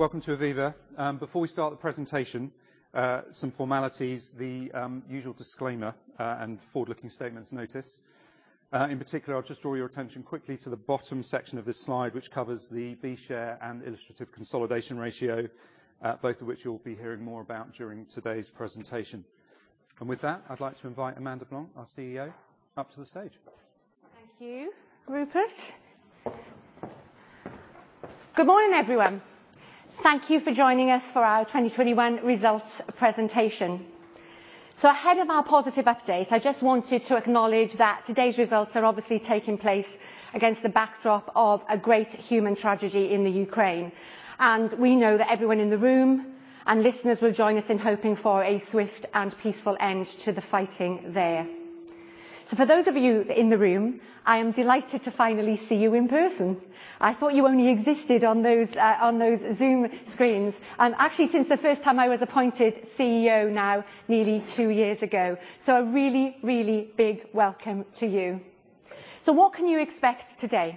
Welcome to Aviva. Before we start the presentation, some formalities, the usual disclaimer, and forward-looking statements notice. In particular, I'll just draw your attention quickly to the bottom section of this slide, which covers the B Share and illustrative consolidation ratio, both of which you'll be hearing more about during today's presentation. With that, I'd like to invite Amanda Blanc, our CEO, up to the stage. Thank you, Rupert. Good morning, everyone. Thank you for joining us for our 2021 results presentation. Ahead of our positive update, I just wanted to acknowledge that today's results are obviously taking place against the backdrop of a great human tragedy in the Ukraine. We know that everyone in the room and listeners will join us in hoping for a swift and peaceful end to the fighting there. For those of you in the room, I am delighted to finally see you in person. I thought you only existed on those Zoom screens actually since the first time I was appointed CEO now nearly two years ago. A really big welcome to you. What can you expect today?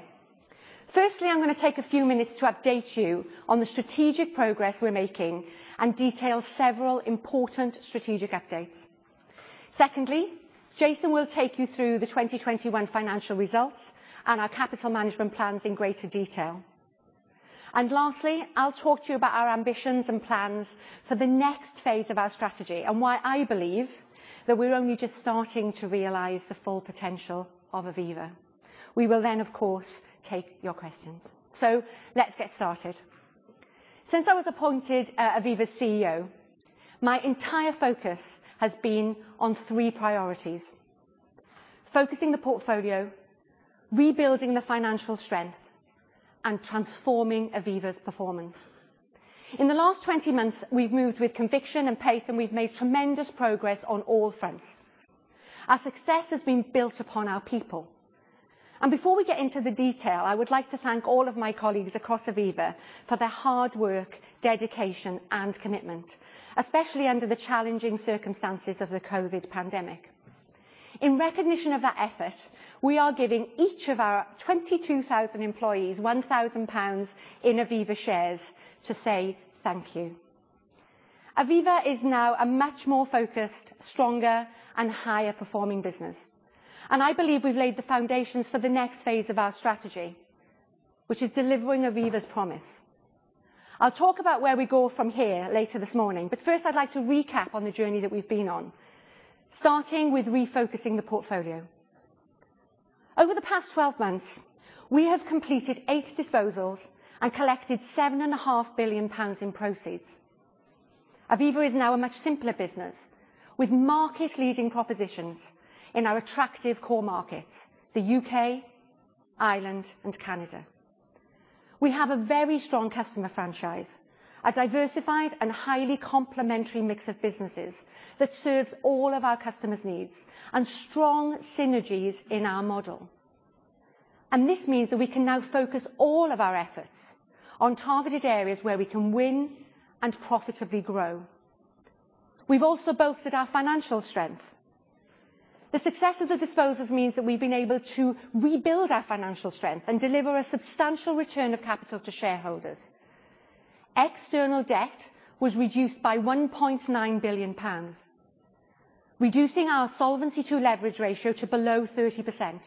Firstly, I'm gonna take a few minutes to update you on the strategic progress we're making and detail several important strategic updates. Secondly, Jason will take you through the 2021 financial results and our capital management plans in greater detail. Lastly, I'll talk to you about our ambitions and plans for the next phase of our strategy and why I believe that we're only just starting to realize the full potential of Aviva. We will then, of course, take your questions. Let's get started. Since I was appointed Aviva's CEO, my entire focus has been on three priorities: focusing the portfolio, rebuilding the financial strength, and transforming Aviva's performance. In the last 20 months, we've moved with conviction and pace, and we've made tremendous progress on all fronts. Our success has been built upon our people. Before we get into the detail, I would like to thank all of my colleagues across Aviva for their hard work, dedication, and commitment, especially under the challenging circumstances of the COVID pandemic. In recognition of that effort, we are giving each of our 22,000 employees 1,000 pounds in Aviva shares to say thank you. Aviva is now a much more focused, stronger, and higher performing business. I believe we've laid the foundations for the next phase of our strategy, which is delivering Aviva's promise. I'll talk about where we go from here later this morning, but first, I'd like to recap on the journey that we've been on, starting with refocusing the portfolio. Over the past 12 months, we have completed eight disposals and collected 7.5 billion pounds in proceeds. Aviva is now a much simpler business, with market-leading propositions in our attractive core markets, the U.K., Ireland, and Canada. We have a very strong customer franchise, a diversified and highly complementary mix of businesses that serves all of our customers' needs and strong synergies in our model. This means that we can now focus all of our efforts on targeted areas where we can win and profitably grow. We've also boasted our financial strength. The success of the disposals means that we've been able to rebuild our financial strength and deliver a substantial return of capital to shareholders. External debt was reduced by 1.9 billion pounds, reducing our solvency to leverage ratio to below 30%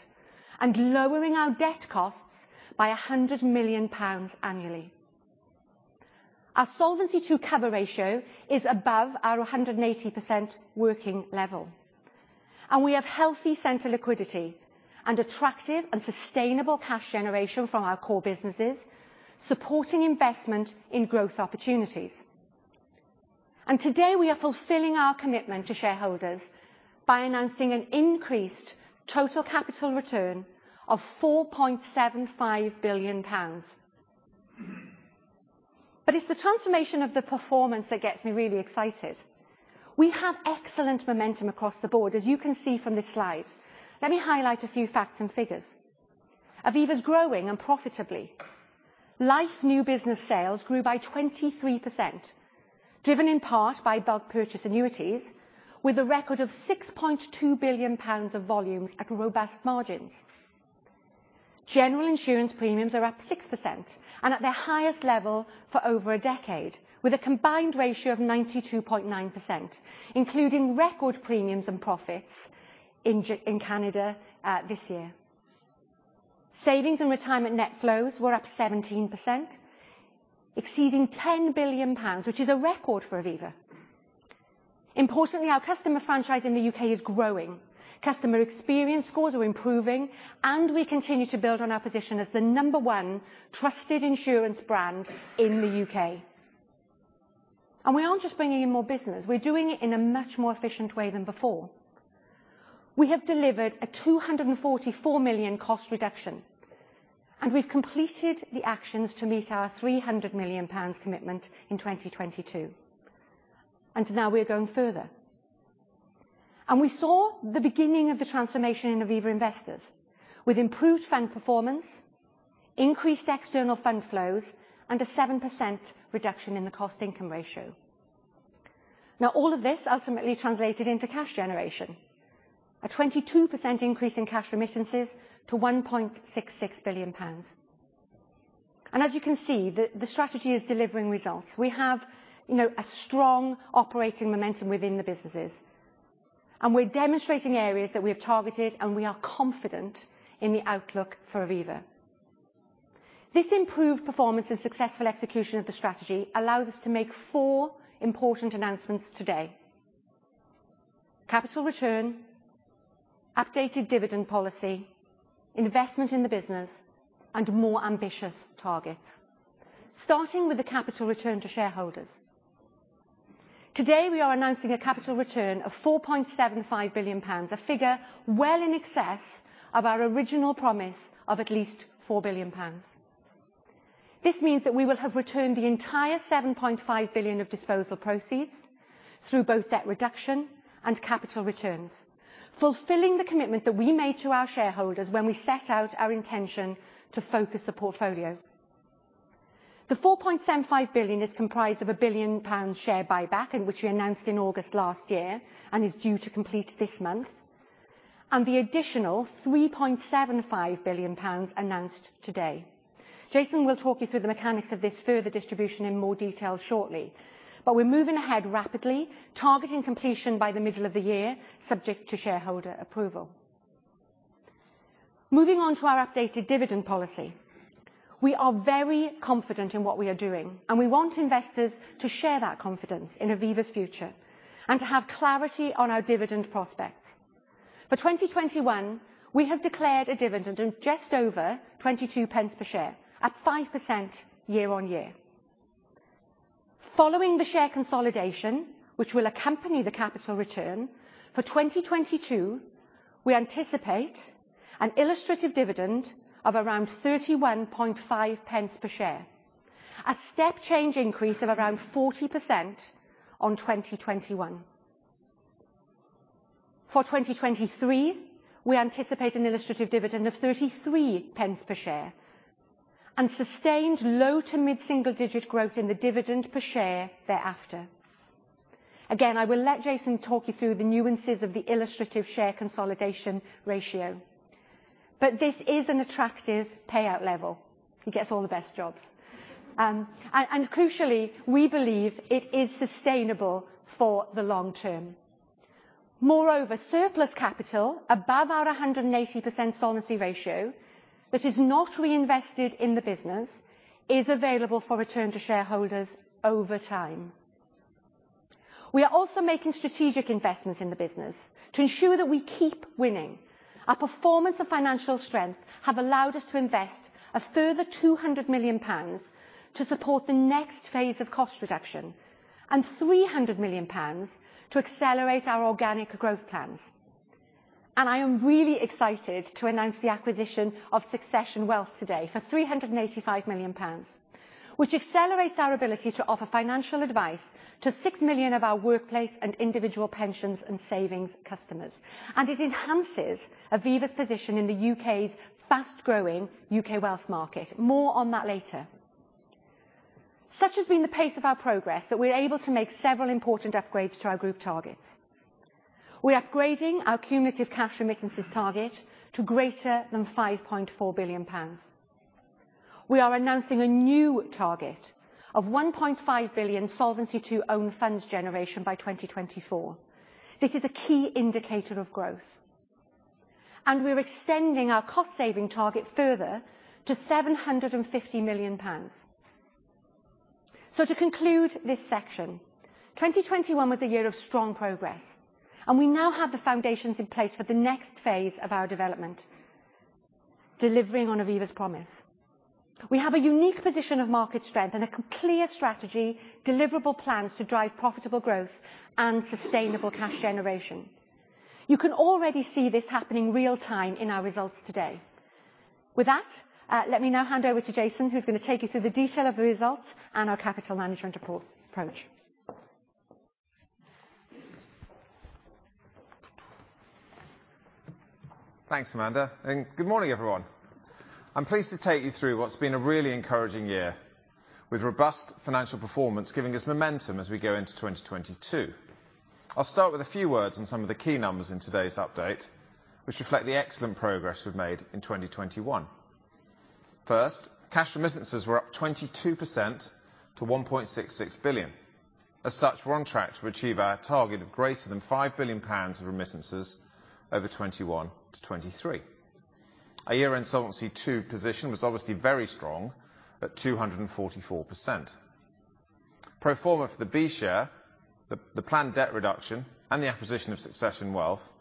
and lowering our debt costs by 100 million pounds annually. Our Solvency II cover ratio is above our 180% working level, and we have healthy central liquidity and attractive and sustainable cash generation from our core businesses, supporting investment in growth opportunities. Today, we are fulfilling our commitment to shareholders by announcing an increased total capital return of 4.75 billion pounds. It's the transformation of the performance that gets me really excited. We have excellent momentum across the board, as you can see from this slide. Let me highlight a few facts and figures. Aviva's growing and profitable. Life new business sales grew by 23%, driven in part by bulk purchase annuities with a record of 6.2 billion pounds of volumes at robust margins. General insurance premiums are up 6% and at their highest level for over a decade with a combined ratio of 92.9%, including record premiums and profits in Canada this year. Savings and retirement net flows were up 17%, exceeding 10 billion pounds, which is a record for Aviva. Importantly, our customer franchise in the U.K. is growing. Customer experience scores are improving, and we continue to build on our position as the number one trusted insurance brand in the U.K. We aren't just bringing in more business. We're doing it in a much more efficient way than before. We have delivered a 244 million cost reduction, and we've completed the actions to meet our 300 million pounds commitment in 2022. Now we are going further. We saw the beginning of the transformation in Aviva Investors with improved fund performance, increased external fund flows, and a 7% reduction in the cost income ratio. Now all of this ultimately translated into cash generation. A 22% increase in cash remittances to 1.66 billion pounds. As you can see, the strategy is delivering results. We have, you know, a strong operating momentum within the businesses. We're demonstrating areas that we have targeted, and we are confident in the outlook for Aviva. This improved performance and successful execution of the strategy allows us to make 4 important announcements today. Capital return, updated dividend policy, investment in the business, and more ambitious targets. Starting with the capital return to shareholders. Today we are announcing a capital return of 4.75 billion pounds, a figure well in excess of our original promise of at least four billion pounds. This means that we will have returned the entire 7.5 billion of disposal proceeds through both debt reduction and capital returns, fulfilling the commitment that we made to our shareholders when we set out our intention to focus the portfolio. The 4.75 billion is comprised of a 1 billion pound share buyback which we announced in August last year, and is due to complete this month, and the additional 3.75 billion pounds announced today. Jason will talk you through the mechanics of this further distribution in more detail shortly. We're moving ahead rapidly, targeting completion by the middle of the year, subject to shareholder approval. Moving on to our updated dividend policy. We are very confident in what we are doing, and we want investors to share that confidence in Aviva's future, and to have clarity on our dividend prospects. For 2021, we have declared a dividend of just over 22 pence per share at 5% year-on-year. Following the share consolidation, which will accompany the capital return, for 2022, we anticipate an illustrative dividend of around 31.5 pence per share, a step change increase of around 40% on 2021. For 2023, we anticipate an illustrative dividend of 33 pence per share, and sustained low- to mid-single-digit growth in the dividend per share thereafter. Again, I will let Jason talk you through the nuances of the illustrative share consolidation ratio. This is an attractive payout level. He gets all the best jobs. Crucially, we believe it is sustainable for the long term. Moreover, surplus capital above our 180% solvency ratio that is not reinvested in the business is available for return to shareholders over time. We are also making strategic investments in the business to ensure that we keep winning. Our performance and financial strength have allowed us to invest a further 200 million pounds to support the next phase of cost reduction, and 300 million pounds to accelerate our organic growth plans. I am really excited to announce the acquisition of Succession Wealth today for 385 million pounds, which accelerates our ability to offer financial advice to six million of our workplace and individual pensions and savings customers. It enhances Aviva's position in the U.K.'s fast-growing U.K. wealth market. More on that later. Such has been the pace of our progress that we're able to make several important upgrades to our group targets. We're upgrading our cumulative cash remittances target to greater than 5.4 billion pounds. We are announcing a new target of 1.5 billion Solvency II own funds generation by 2024. This is a key indicator of growth. We're extending our cost saving target further to 750 million pounds. To conclude this section, 2021 was a year of strong progress, and we now have the foundations in place for the next phase of our development, delivering on Aviva's promise. We have a unique position of market strength and a clear strategy, deliverable plans to drive profitable growth and sustainable cash generation. You can already see this happening real time in our results today. With that, let me now hand over to Jason, who's gonna take you through the detail of the results and our capital management report approach. Thanks, Amanda, and good morning, everyone. I'm pleased to take you through what's been a really encouraging year with robust financial performance giving us momentum as we go into 2022. I'll start with a few words on some of the key numbers in today's update, which reflect the excellent progress we've made in 2021. First, cash remittances were up 22% to 1.66 billion. As such, we're on track to achieve our target of greater than 5 billion pounds of remittances over 2021-2023. Our year-end Solvency II position was obviously very strong at 244%. Pro forma for the B Share, the planned debt reduction and the acquisition of Succession Wealth,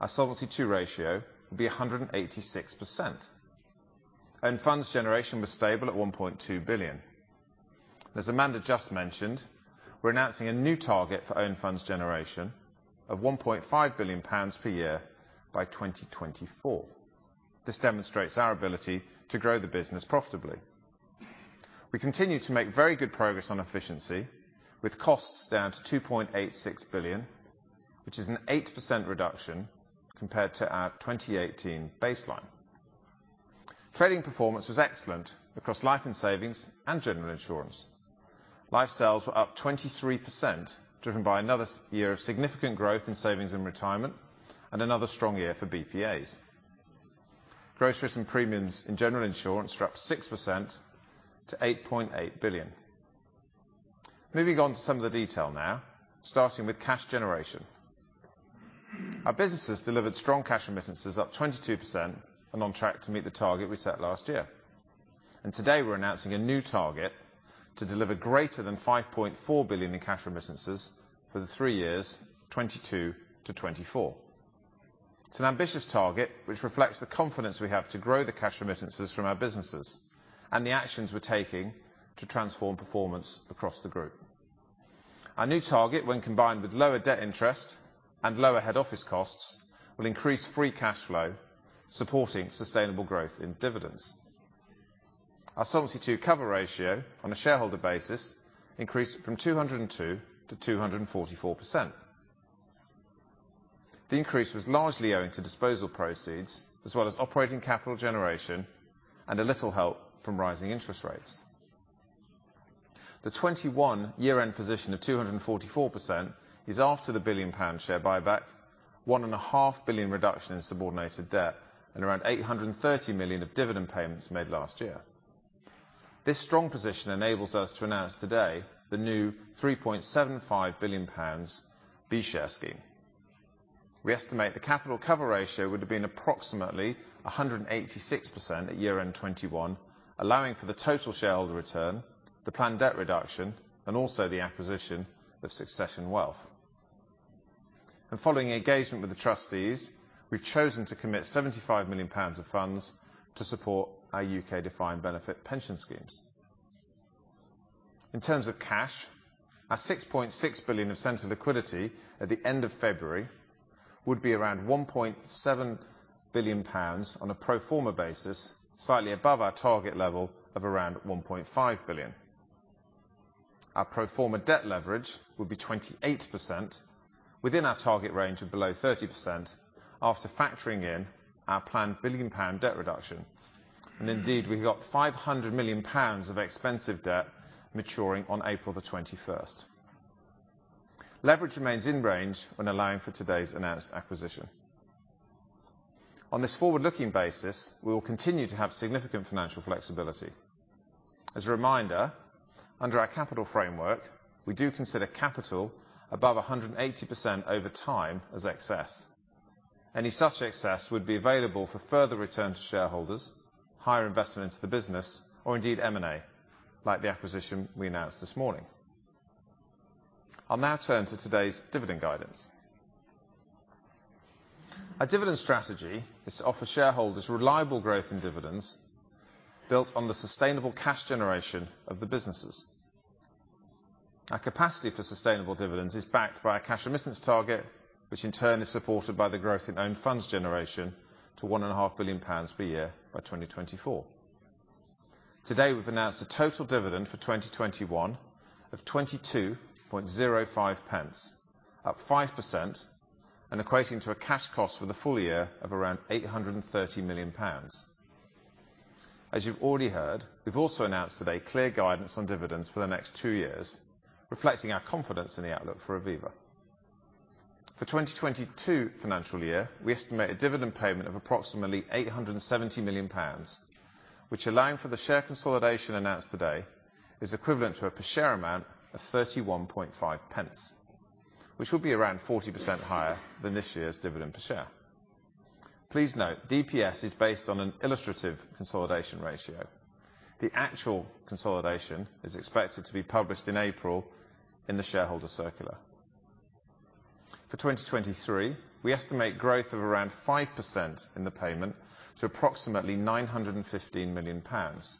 our Solvency II ratio will be 186%. Earned funds generation was stable at 1.2 billion. As Amanda just mentioned, we're announcing a new target for own funds generation of 1.5 billion pounds per year by 2024. This demonstrates our ability to grow the business profitably. We continue to make very good progress on efficiency with costs down to 2.86 billion, which is an 8% reduction compared to our 2018 baseline. Trading performance was excellent across life and savings and general insurance. Life sales were up 23% driven by another strong year of significant growth in savings and retirement and another strong year for BPAs. Gross written premiums in general insurance were up 6% to 8.8 billion. Moving on to some of the detail now, starting with cash generation. Our businesses delivered strong cash remittances up 22% and on track to meet the target we set last year. Today we're announcing a new target to deliver greater than 5.4 billion in cash remittances for the three years 2022 to 2024. It's an ambitious target which reflects the confidence we have to grow the cash remittances from our businesses and the actions we're taking to transform performance across the group. Our new target, when combined with lower debt interest and lower head office costs, will increase free cash flow, supporting sustainable growth in dividends. Our Solvency II cover ratio on a shareholder basis increased from 202% to 244%. The increase was largely owing to disposal proceeds as well as operating capital generation and a little help from rising interest rates. The 2021 year-end position of 244% is after the 1 billion pound share buyback, 1.5 billion reduction in subordinated debt, and around 830 million of dividend payments made last year. This strong position enables us to announce today the new 3.75 billion pounds B share scheme. We estimate the capital cover ratio would have been approximately 186% at year-end 2021, allowing for the total shareholder return, the planned debt reduction, and also the acquisition of Succession Wealth. Following engagement with the trustees, we've chosen to commit 75 million pounds of funds to support our U.K. defined benefit pension schemes. In terms of cash, our 6.6 billion of central liquidity at the end of February would be around 1.7 billion pounds on a pro forma basis, slightly above our target level of around 1.5 billion. Our pro forma debt leverage would be 28% within our target range of below 30% after factoring in our planned 1 billion pound debt reduction. Indeed, we've got 500 million pounds of expensive debt maturing on April 21. Leverage remains in range when allowing for today's announced acquisition. On this forward-looking basis, we will continue to have significant financial flexibility. As a reminder, under our capital framework, we do consider capital above 180% over time as excess. Any such excess would be available for further return to shareholders, higher investment into the business, or indeed M&A, like the acquisition we announced this morning. I'll now turn to today's dividend guidance. Our dividend strategy is to offer shareholders reliable growth in dividends built on the sustainable cash generation of the businesses. Our capacity for sustainable dividends is backed by a cash remittance target, which in turn is supported by the growth in own funds generation to 1.5 billion pounds per year by 2024. Today, we've announced a total dividend for 2021 of 0.2205, up 5% and equating to a cash cost for the full year of around GBP 830 million. As you've already heard, we've also announced today clear guidance on dividends for the next two years, reflecting our confidence in the outlook for Aviva. For 2022 financial year, we estimate a dividend payment of approximately 870 million pounds, which allowing for the share consolidation announced today, is equivalent to a per share amount of 0.315, which will be around 40% higher than this year's dividend per share. Please note, DPS is based on an illustrative consolidation ratio. The actual consolidation is expected to be published in April in the shareholder circular. For 2023, we estimate growth of around 5% in the payment to approximately 915 million pounds,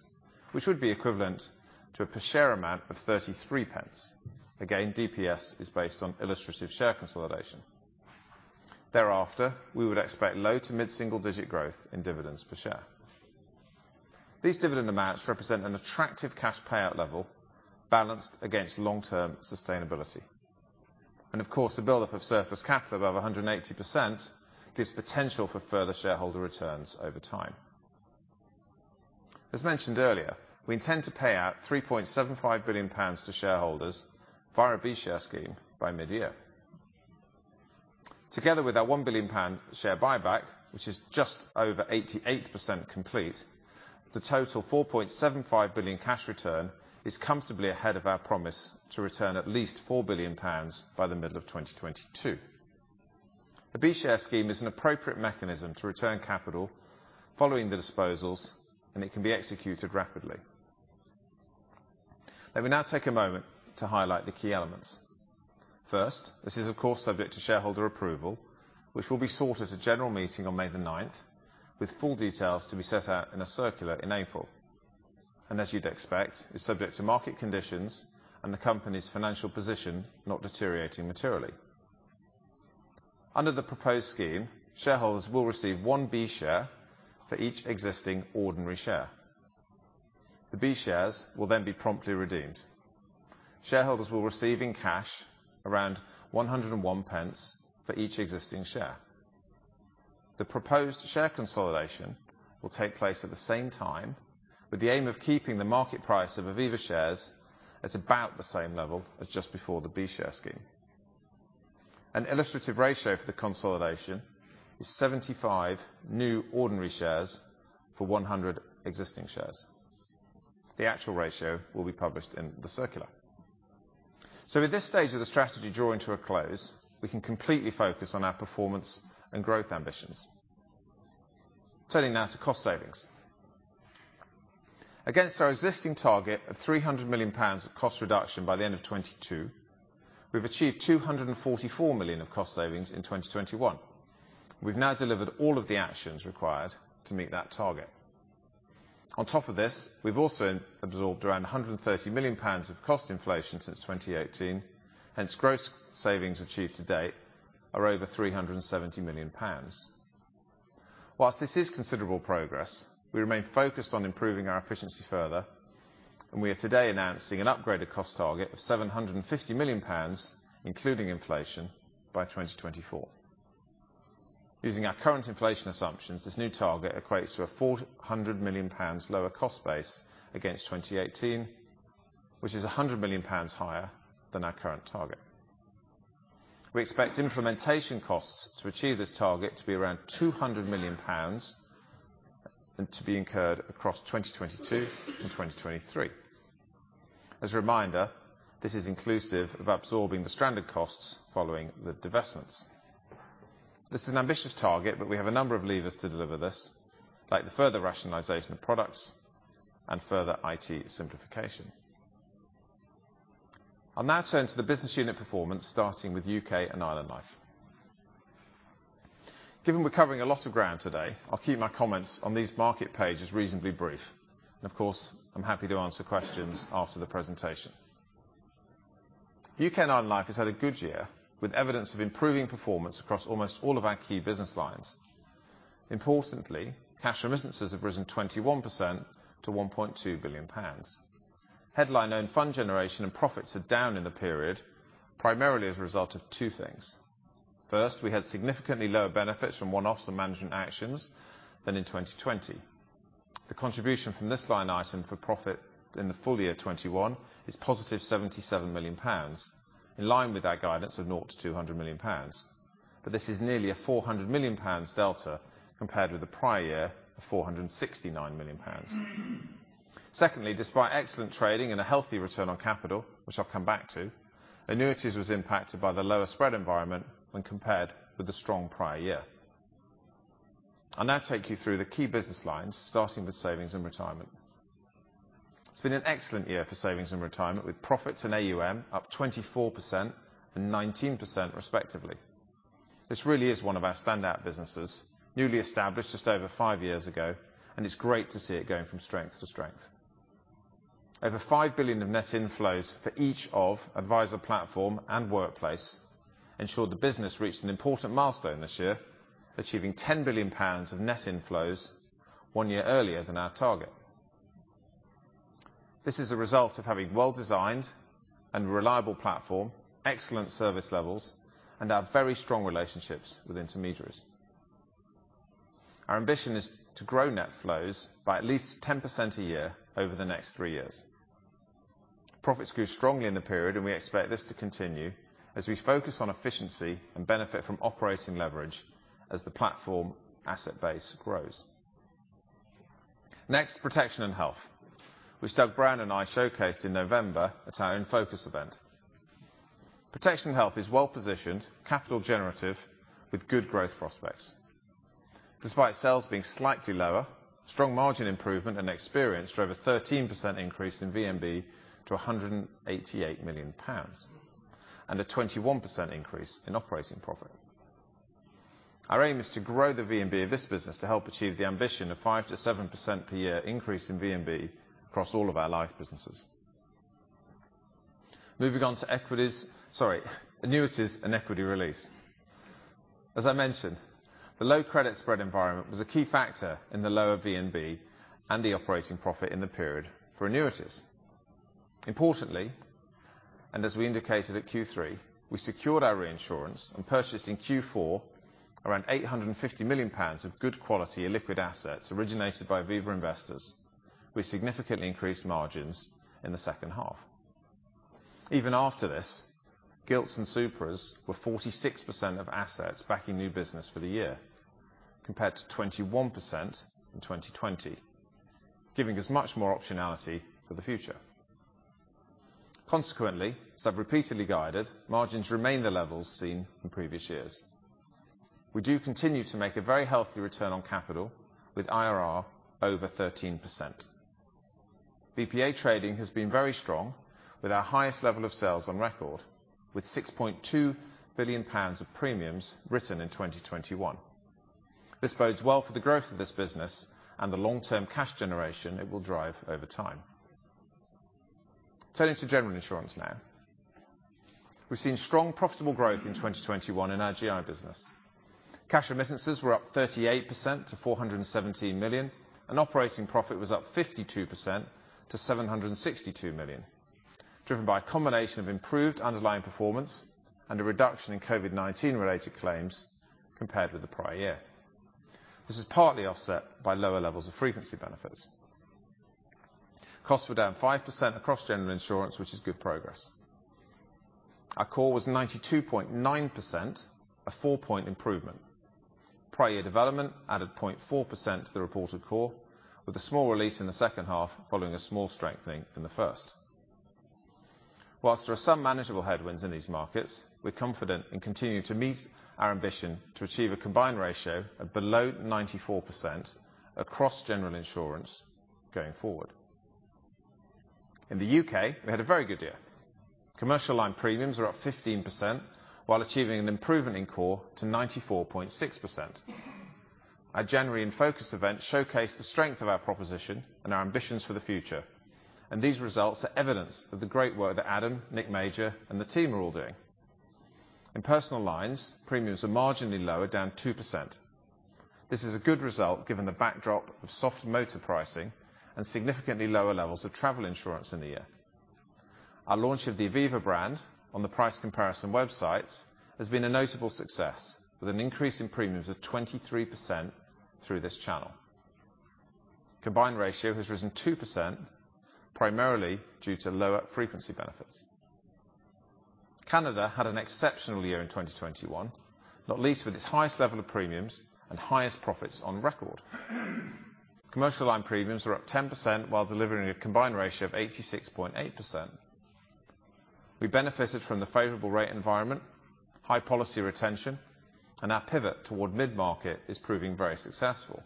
which would be equivalent to a per share amount of 0.33. Again, DPS is based on illustrative share consolidation. Thereafter, we would expect low- to mid-single-digit growth in dividends per share. These dividend amounts represent an attractive cash payout level balanced against long-term sustainability. Of course, the buildup of surplus capital above 180% gives potential for further shareholder returns over time. As mentioned earlier, we intend to pay out 3.75 billion pounds to shareholders via our B share scheme by mid-year. Together with our 1 billion pound share buyback, which is just over 88% complete, the total 4.75 billion cash return is comfortably ahead of our promise to return at least 4 billion pounds by the middle of 2022. The B share scheme is an appropriate mechanism to return capital following the disposals, and it can be executed rapidly. Let me now take a moment to highlight the key elements. First, this is of course subject to shareholder approval, which will be sought at a general meeting on May 9, with full details to be set out in a circular in April. As you'd expect, it's subject to market conditions and the company's financial position not deteriorating materially. Under the proposed scheme, shareholders will receive 1 B share for each existing ordinary share. The B shares will then be promptly redeemed. Shareholders will receive in cash around 1.01 for each existing share. The proposed share consolidation will take place at the same time, with the aim of keeping the market price of Aviva shares at about the same level as just before the B share scheme. An illustrative ratio for the consolidation is 75 new ordinary shares for 100 existing shares. The actual ratio will be published in the circular. At this stage of the strategy drawing to a close, we can completely focus on our performance and growth ambitions. Turning now to cost savings. Against our existing target of 300 million pounds of cost reduction by the end of 2022, we've achieved 244 million of cost savings in 2021. We've now delivered all of the actions required to meet that target. On top of this, we've also absorbed around 130 million pounds of cost inflation since 2018, hence gross savings achieved to date are over 370 million pounds. While this is considerable progress, we remain focused on improving our efficiency further, and we are today announcing an upgraded cost target of 750 million pounds, including inflation, by 2024. Using our current inflation assumptions, this new target equates to a 400 million pounds lower cost base against 2018, which is a 100 million pounds higher than our current target. We expect implementation costs to achieve this target to be around 200 million pounds and to be incurred across 2022 to 2023. As a reminder, this is inclusive of absorbing the stranded costs following the divestments. This is an ambitious target, but we have a number of levers to deliver this, like the further rationalization of products and further IT simplification. I'll now turn to the business unit performance, starting with U.K. & Ireland Life. Given we're covering a lot of ground today, I'll keep my comments on these market pages reasonably brief. Of course, I'm happy to answer questions after the presentation. U.K. & Ireland Life has had a good year, with evidence of improving performance across almost all of our key business lines. Importantly, cash remittances have risen 21% to 1.2 billion pounds. Headline own funds generation and profits are down in the period, primarily as a result of two things. First, we had significantly lower benefits from one-offs and management actions than in 2020. The contribution from this line item for profit in the full year 2021 is positive 77 million pounds, in line with our guidance of 0-200 million pounds. This is nearly a 400 million pounds delta compared with the prior year of 469 million pounds. Secondly, despite excellent trading and a healthy return on capital, which I'll come back to, annuities was impacted by the lower spread environment when compared with the strong prior year. I'll now take you through the key business lines, starting with savings and retirement. It's been an excellent year for savings and retirement, with profits in AUM up 24% and 19%, respectively. This really is one of our standout businesses, newly established just over 5 years ago, and it's great to see it going from strength to strength. Over 5 billion of net inflows for each of advisor platform and workplace ensured the business reached an important milestone this year, achieving 10 billion pounds of net inflows one year earlier than our target. This is a result of having well-designed and reliable platform, excellent service levels, and our very strong relationships with intermediaries. Our ambition is to grow net flows by at least 10% a year over the next three years. Profits grew strongly in the period, and we expect this to continue as we focus on efficiency and benefit from operating leverage as the platform asset base grows. Next, protection and health, which Doug Brown and I showcased in November at our In Focus event. Protection and health is well-positioned, capital generative, with good growth prospects. Despite sales being slightly lower, strong margin improvement and experience drove a 13% increase in VMB to 188 million pounds and a 21% increase in operating profit. Our aim is to grow the VMB of this business to help achieve the ambition of 5%-7% per year increase in VMB across all of our life businesses. Moving on to annuities and equity release. As I mentioned, the low credit spread environment was a key factor in the lower VMB and the operating profit in the period for annuities. Importantly, as we indicated at Q3, we secured our reinsurance and purchased in Q4 around 850 million pounds of good quality and liquid assets originated by Aviva Investors. We significantly increased margins in the second half. Even after this, gilts and supras were 46% of assets backing new business for the year, compared to 21% in 2020, giving us much more optionality for the future. Consequently, as I've repeatedly guided, margins remain the levels seen in previous years. We do continue to make a very healthy return on capital with IRR over 13%. BPA trading has been very strong with our highest level of sales on record, with 6.2 billion pounds of premiums written in 2021. This bodes well for the growth of this business and the long-term cash generation it will drive over time. Turning to general insurance now. We've seen strong profitable growth in 2021 in our GI business. Cash remittances were up 38% to 417 million, and operating profit was up 52% to 762 million, driven by a combination of improved underlying performance and a reduction in COVID-19 related claims compared with the prior year. This is partly offset by lower levels of frequency benefits. Costs were down 5% across general insurance, which is good progress. Our COR was 92.9%, a four-point improvement. Prior year development added 0.4% to the reported COR, with a small release in the second half following a small strengthening in the first. While there are some manageable headwinds in these markets, we're confident in continuing to meet our ambition to achieve a combined ratio of below 94% across general insurance going forward. In the U.K., we had a very good year. Commercial line premiums are up 15% while achieving an improvement in COR to 94.6%. Our January In Focus event showcased the strength of our proposition and our ambitions for the future, and these results are evidence of the great work that Adam, Nick Major, and the team are all doing. In personal lines, premiums are marginally lower, down 2%. This is a good result given the backdrop of soft motor pricing and significantly lower levels of travel insurance in the year. Our launch of the Aviva brand on the price comparison websites has been a notable success, with an increase in premiums of 23% through this channel. Combined ratio has risen 2%, primarily due to lower frequency benefits. Canada had an exceptional year in 2021, not least with its highest level of premiums and highest profits on record. Commercial line premiums are up 10% while delivering a combined ratio of 86.8%. We benefited from the favorable rate environment, high policy retention, and our pivot toward mid-market is proving very successful.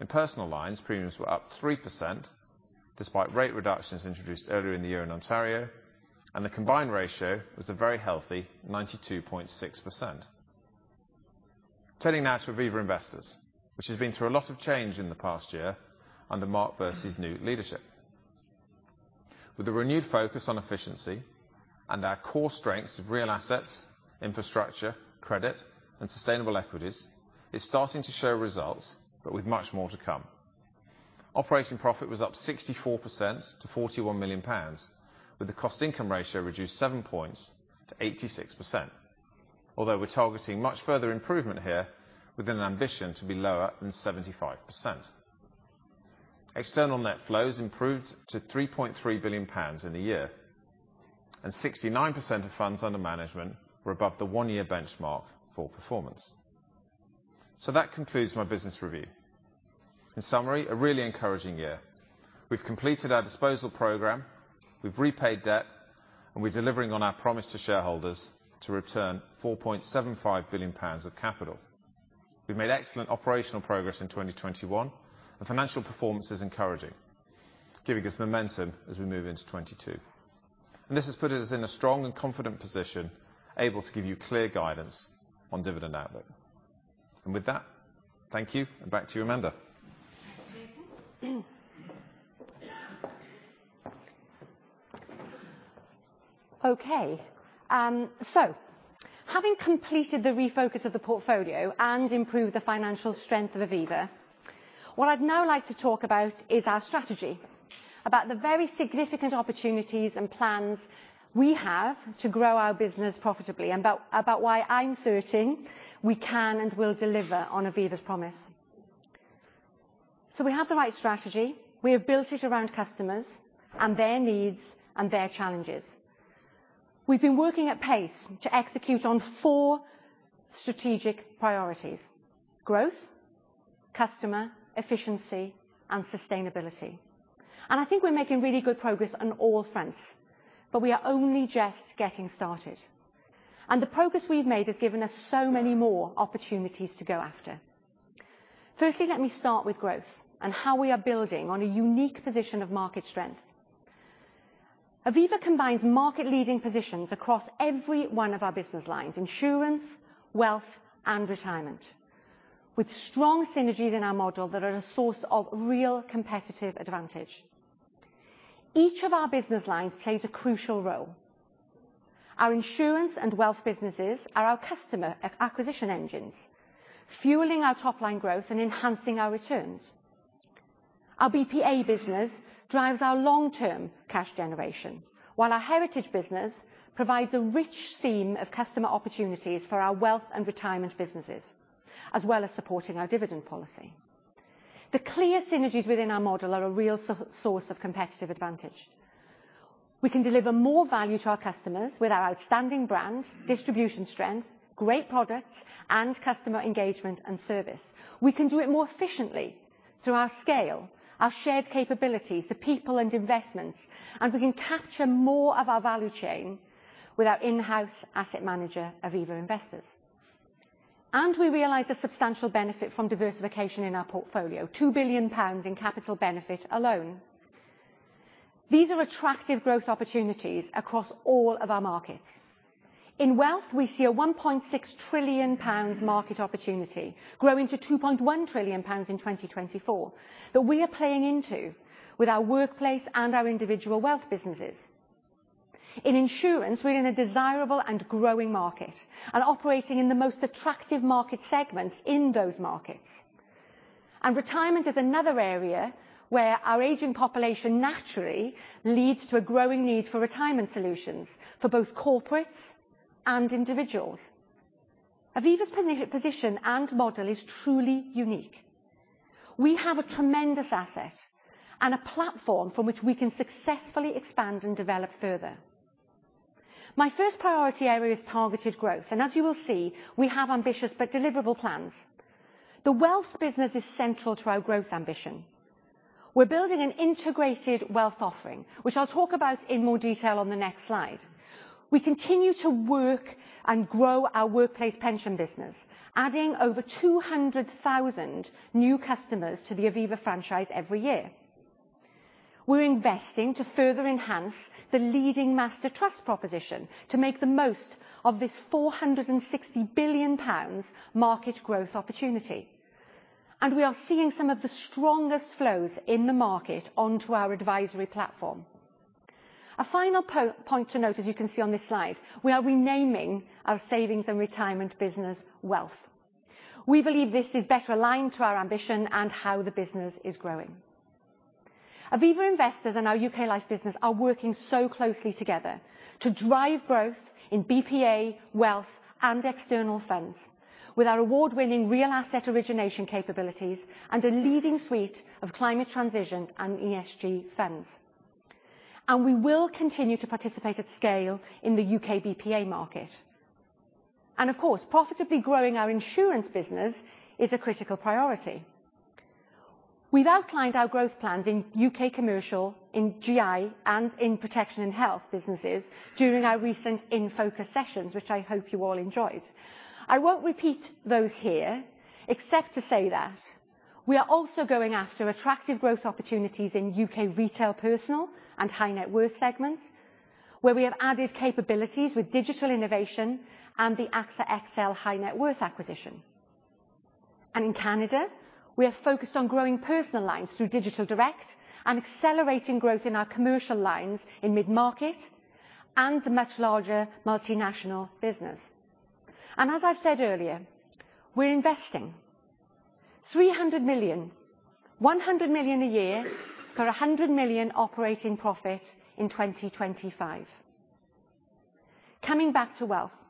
In personal lines, premiums were up 3% despite rate reductions introduced earlier in the year in Ontario, and the combined ratio was a very healthy 92.6%. Turning now to Aviva Investors, which has been through a lot of change in the past year under Mark Versey's new leadership. With a renewed focus on efficiency and our core strengths of real assets, infrastructure, credit, and sustainable equities is starting to show results, but with much more to come. Operating profit was up 64% to 41 million pounds, with the cost income ratio reduced 7 points to 86%. Although we're targeting much further improvement here with an ambition to be lower than 75%. External net flows improved to 3.3 billion pounds in the year, and 69% of funds under management were above the one-year benchmark for performance. That concludes my business review. In summary, a really encouraging year. We've completed our disposal program, we've repaid debt, and we're delivering on our promise to shareholders to return 4.75 billion pounds of capital. We've made excellent operational progress in 2021, and financial performance is encouraging, giving us momentum as we move into 2022. This has put us in a strong and confident position, able to give you clear guidance on dividend outlook. With that, thank you, and back to you, Amanda. Okay. Having completed the refocus of the portfolio and improved the financial strength of Aviva, what I'd now like to talk about is our strategy, about the very significant opportunities and plans we have to grow our business profitably, and about why I'm certain we can and will deliver on Aviva's promise. We have the right strategy. We have built it around customers and their needs and their challenges. We've been working at pace to execute on four strategic priorities, growth, customer, efficiency, and sustainability. I think we're making really good progress on all fronts, but we are only just getting started. The progress we've made has given us so many more opportunities to go after. Firstly, let me start with growth and how we are building on a unique position of market strength. Aviva combines market-leading positions across every one of our business lines, insurance, wealth, and retirement, with strong synergies in our model that are a source of real competitive advantage. Each of our business lines plays a crucial role. Our insurance and wealth businesses are our customer acquisition engines, fueling our top-line growth and enhancing our returns. Our BPA business drives our long-term cash generation, while our heritage business provides a rich seam of customer opportunities for our wealth and retirement businesses, as well as supporting our dividend policy. The clear synergies within our model are a real source of competitive advantage. We can deliver more value to our customers with our outstanding brand, distribution strength, great products, and customer engagement and service. We can do it more efficiently through our scale, our shared capabilities, the people and investments, and we can capture more of our value chain with our in-house asset manager, Aviva Investors. We realize the substantial benefit from diversification in our portfolio, two billion pounds in capital benefit alone. These are attractive growth opportunities across all of our markets. In wealth, we see a 1.6 trillion pounds market opportunity growing to 2.1 trillion pounds in 2024 that we are playing into with our workplace and our individual wealth businesses. In insurance, we're in a desirable and growing market and operating in the most attractive market segments in those markets. Retirement is another area where our aging population naturally leads to a growing need for retirement solutions for both corporates and individuals. Aviva's position and model is truly unique. We have a tremendous asset and a platform from which we can successfully expand and develop further. My first priority area is targeted growth, and as you will see, we have ambitious but deliverable plans. The wealth business is central to our growth ambition. We're building an integrated wealth offering, which I'll talk about in more detail on the next slide. We continue to work and grow our workplace pension business, adding over 200,000 new customers to the Aviva franchise every year. We're investing to further enhance the leading master trust proposition to make the most of this 460 billion pounds market growth opportunity. We are seeing some of the strongest flows in the market onto our advisory platform. A final point to note, as you can see on this slide, we are renaming our savings and retirement business Wealth. We believe this is better aligned to our ambition and how the business is growing. Aviva Investors and our U.K. Life business are working so closely together to drive growth in BPA, wealth, and external funds with our award-winning real asset origination capabilities and a leading suite of climate transition and ESG funds. We will continue to participate at scale in the U.K. BPA market. Of course, profitably growing our insurance business is a critical priority. We've outlined our growth plans in U.K. commercial, in GI, and in protection and health businesses during our recent In Focus sessions, which I hope you all enjoyed. I won't repeat those here, except to say that we are also going after attractive growth opportunities in U.K. Retail personal and high net worth segments, where we have added capabilities with digital innovation and the AXA XL high net worth acquisition. In Canada, we are focused on growing personal lines through digital direct and accelerating growth in our commercial lines in mid-market and the much larger multinational business. As I said earlier, we're investing 300 million, 1 million a year for a 100 million operating profit in 2025. Coming back to wealth.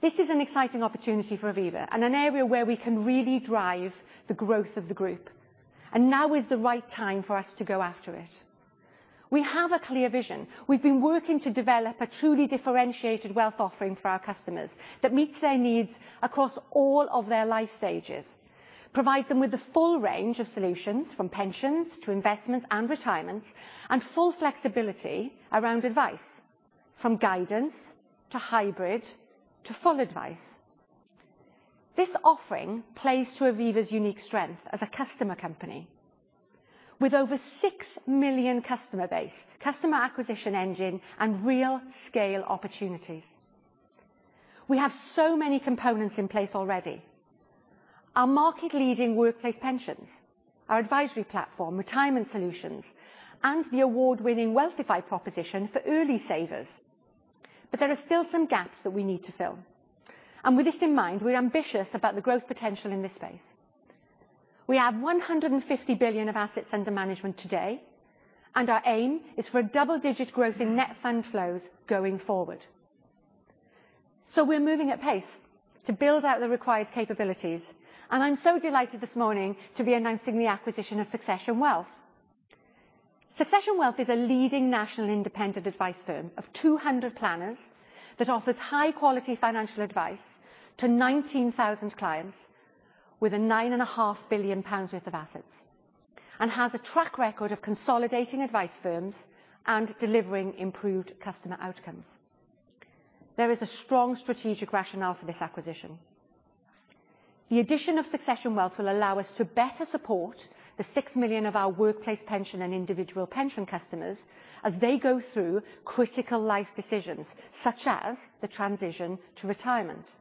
This is an exciting opportunity for Aviva and an area where we can really drive the growth of the group, and now is the right time for us to go after it. We have a clear vision. We've been working to develop a truly differentiated wealth offering for our customers that meets their needs across all of their life stages, provides them with the full range of solutions from pensions to investments and retirements, and full flexibility around advice, from guidance to hybrid to full advice. This offering plays to Aviva's unique strength as a customer company with over 6 million customer base, customer acquisition engine, and real scale opportunities. We have so many components in place already. Our market leading workplace pensions, our advisory platform, retirement solutions, and the award-winning Wealthify proposition for early savers. There are still some gaps that we need to fill. With this in mind, we're ambitious about the growth potential in this space. We have 150 billion of assets under management today, and our aim is for a double-digit growth in net fund flows going forward. We're moving at pace to build out the required capabilities, and I'm so delighted this morning to be announcing the acquisition of Succession Wealth. Succession Wealth is a leading national independent advice firm of 200 planners that offers high-quality financial advice to 19,000 clients with 9.5 billion pounds worth of assets, and has a track record of consolidating advice firms and delivering improved customer outcomes. There is a strong strategic rationale for this acquisition. The addition of Succession Wealth will allow us to better support the 6 million of our workplace pension and individual pension customers as they go through critical life decisions, such as the transition to retirement,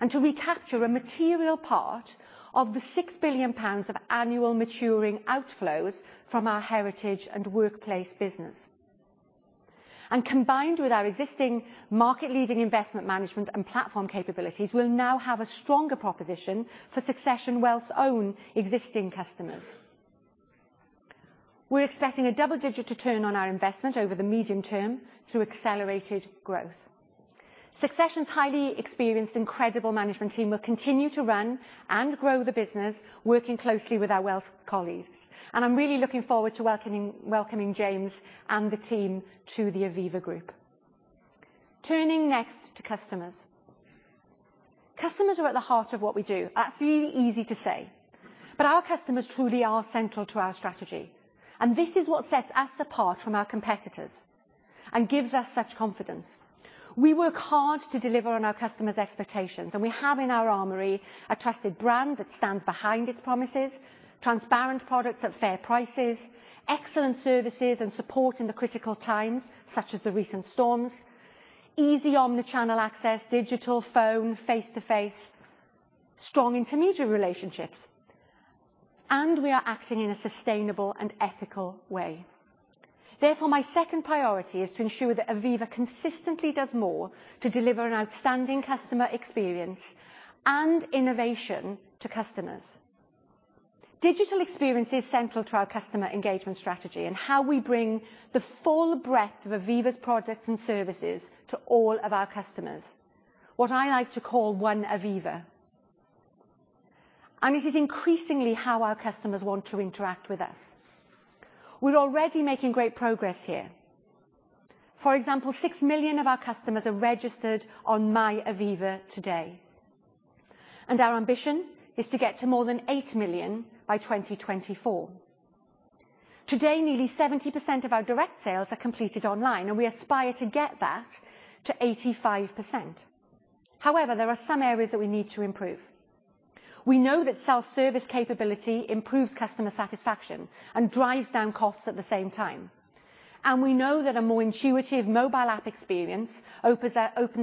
and to recapture a material part of the 6 billion pounds of annual maturing outflows from our heritage and workplace business. Combined with our existing market leading investment management and platform capabilities, we'll now have a stronger proposition for Succession Wealth's own existing customers. We're expecting a double digit return on our investment over the medium term through accelerated growth. Succession's highly experienced, incredible management team will continue to run and grow the business working closely with our wealth colleagues, and I'm really looking forward to welcoming James and the team to the Aviva group. Turning next to customers. Customers are at the heart of what we do. That's really easy to say, but our customers truly are central to our strategy, and this is what sets us apart from our competitors and gives us such confidence. We work hard to deliver on our customers' expectations, and we have in our armory a trusted brand that stands behind its promises, transparent products at fair prices, excellent services and support in the critical times, such as the recent storms, easy omnichannel access, digital, phone, face-to-face. Strong intermediary relationships. We are acting in a sustainable and ethical way. Therefore, my second priority is to ensure that Aviva consistently does more to deliver an outstanding customer experience and innovation to customers. Digital experience is central to our customer engagement strategy and how we bring the full breadth of Aviva's products and services to all of our customers. What I like to call One Aviva. It is increasingly how our customers want to interact with us. We're already making great progress here. For example, six million of our customers are registered on MyAviva today, and our ambition is to get to more than eight million by 2024. Today, nearly 70% of our direct sales are completed online, and we aspire to get that to 85%. However, there are some areas that we need to improve. We know that self-service capability improves customer satisfaction and drives down costs at the same time. We know that a more intuitive mobile app experience opens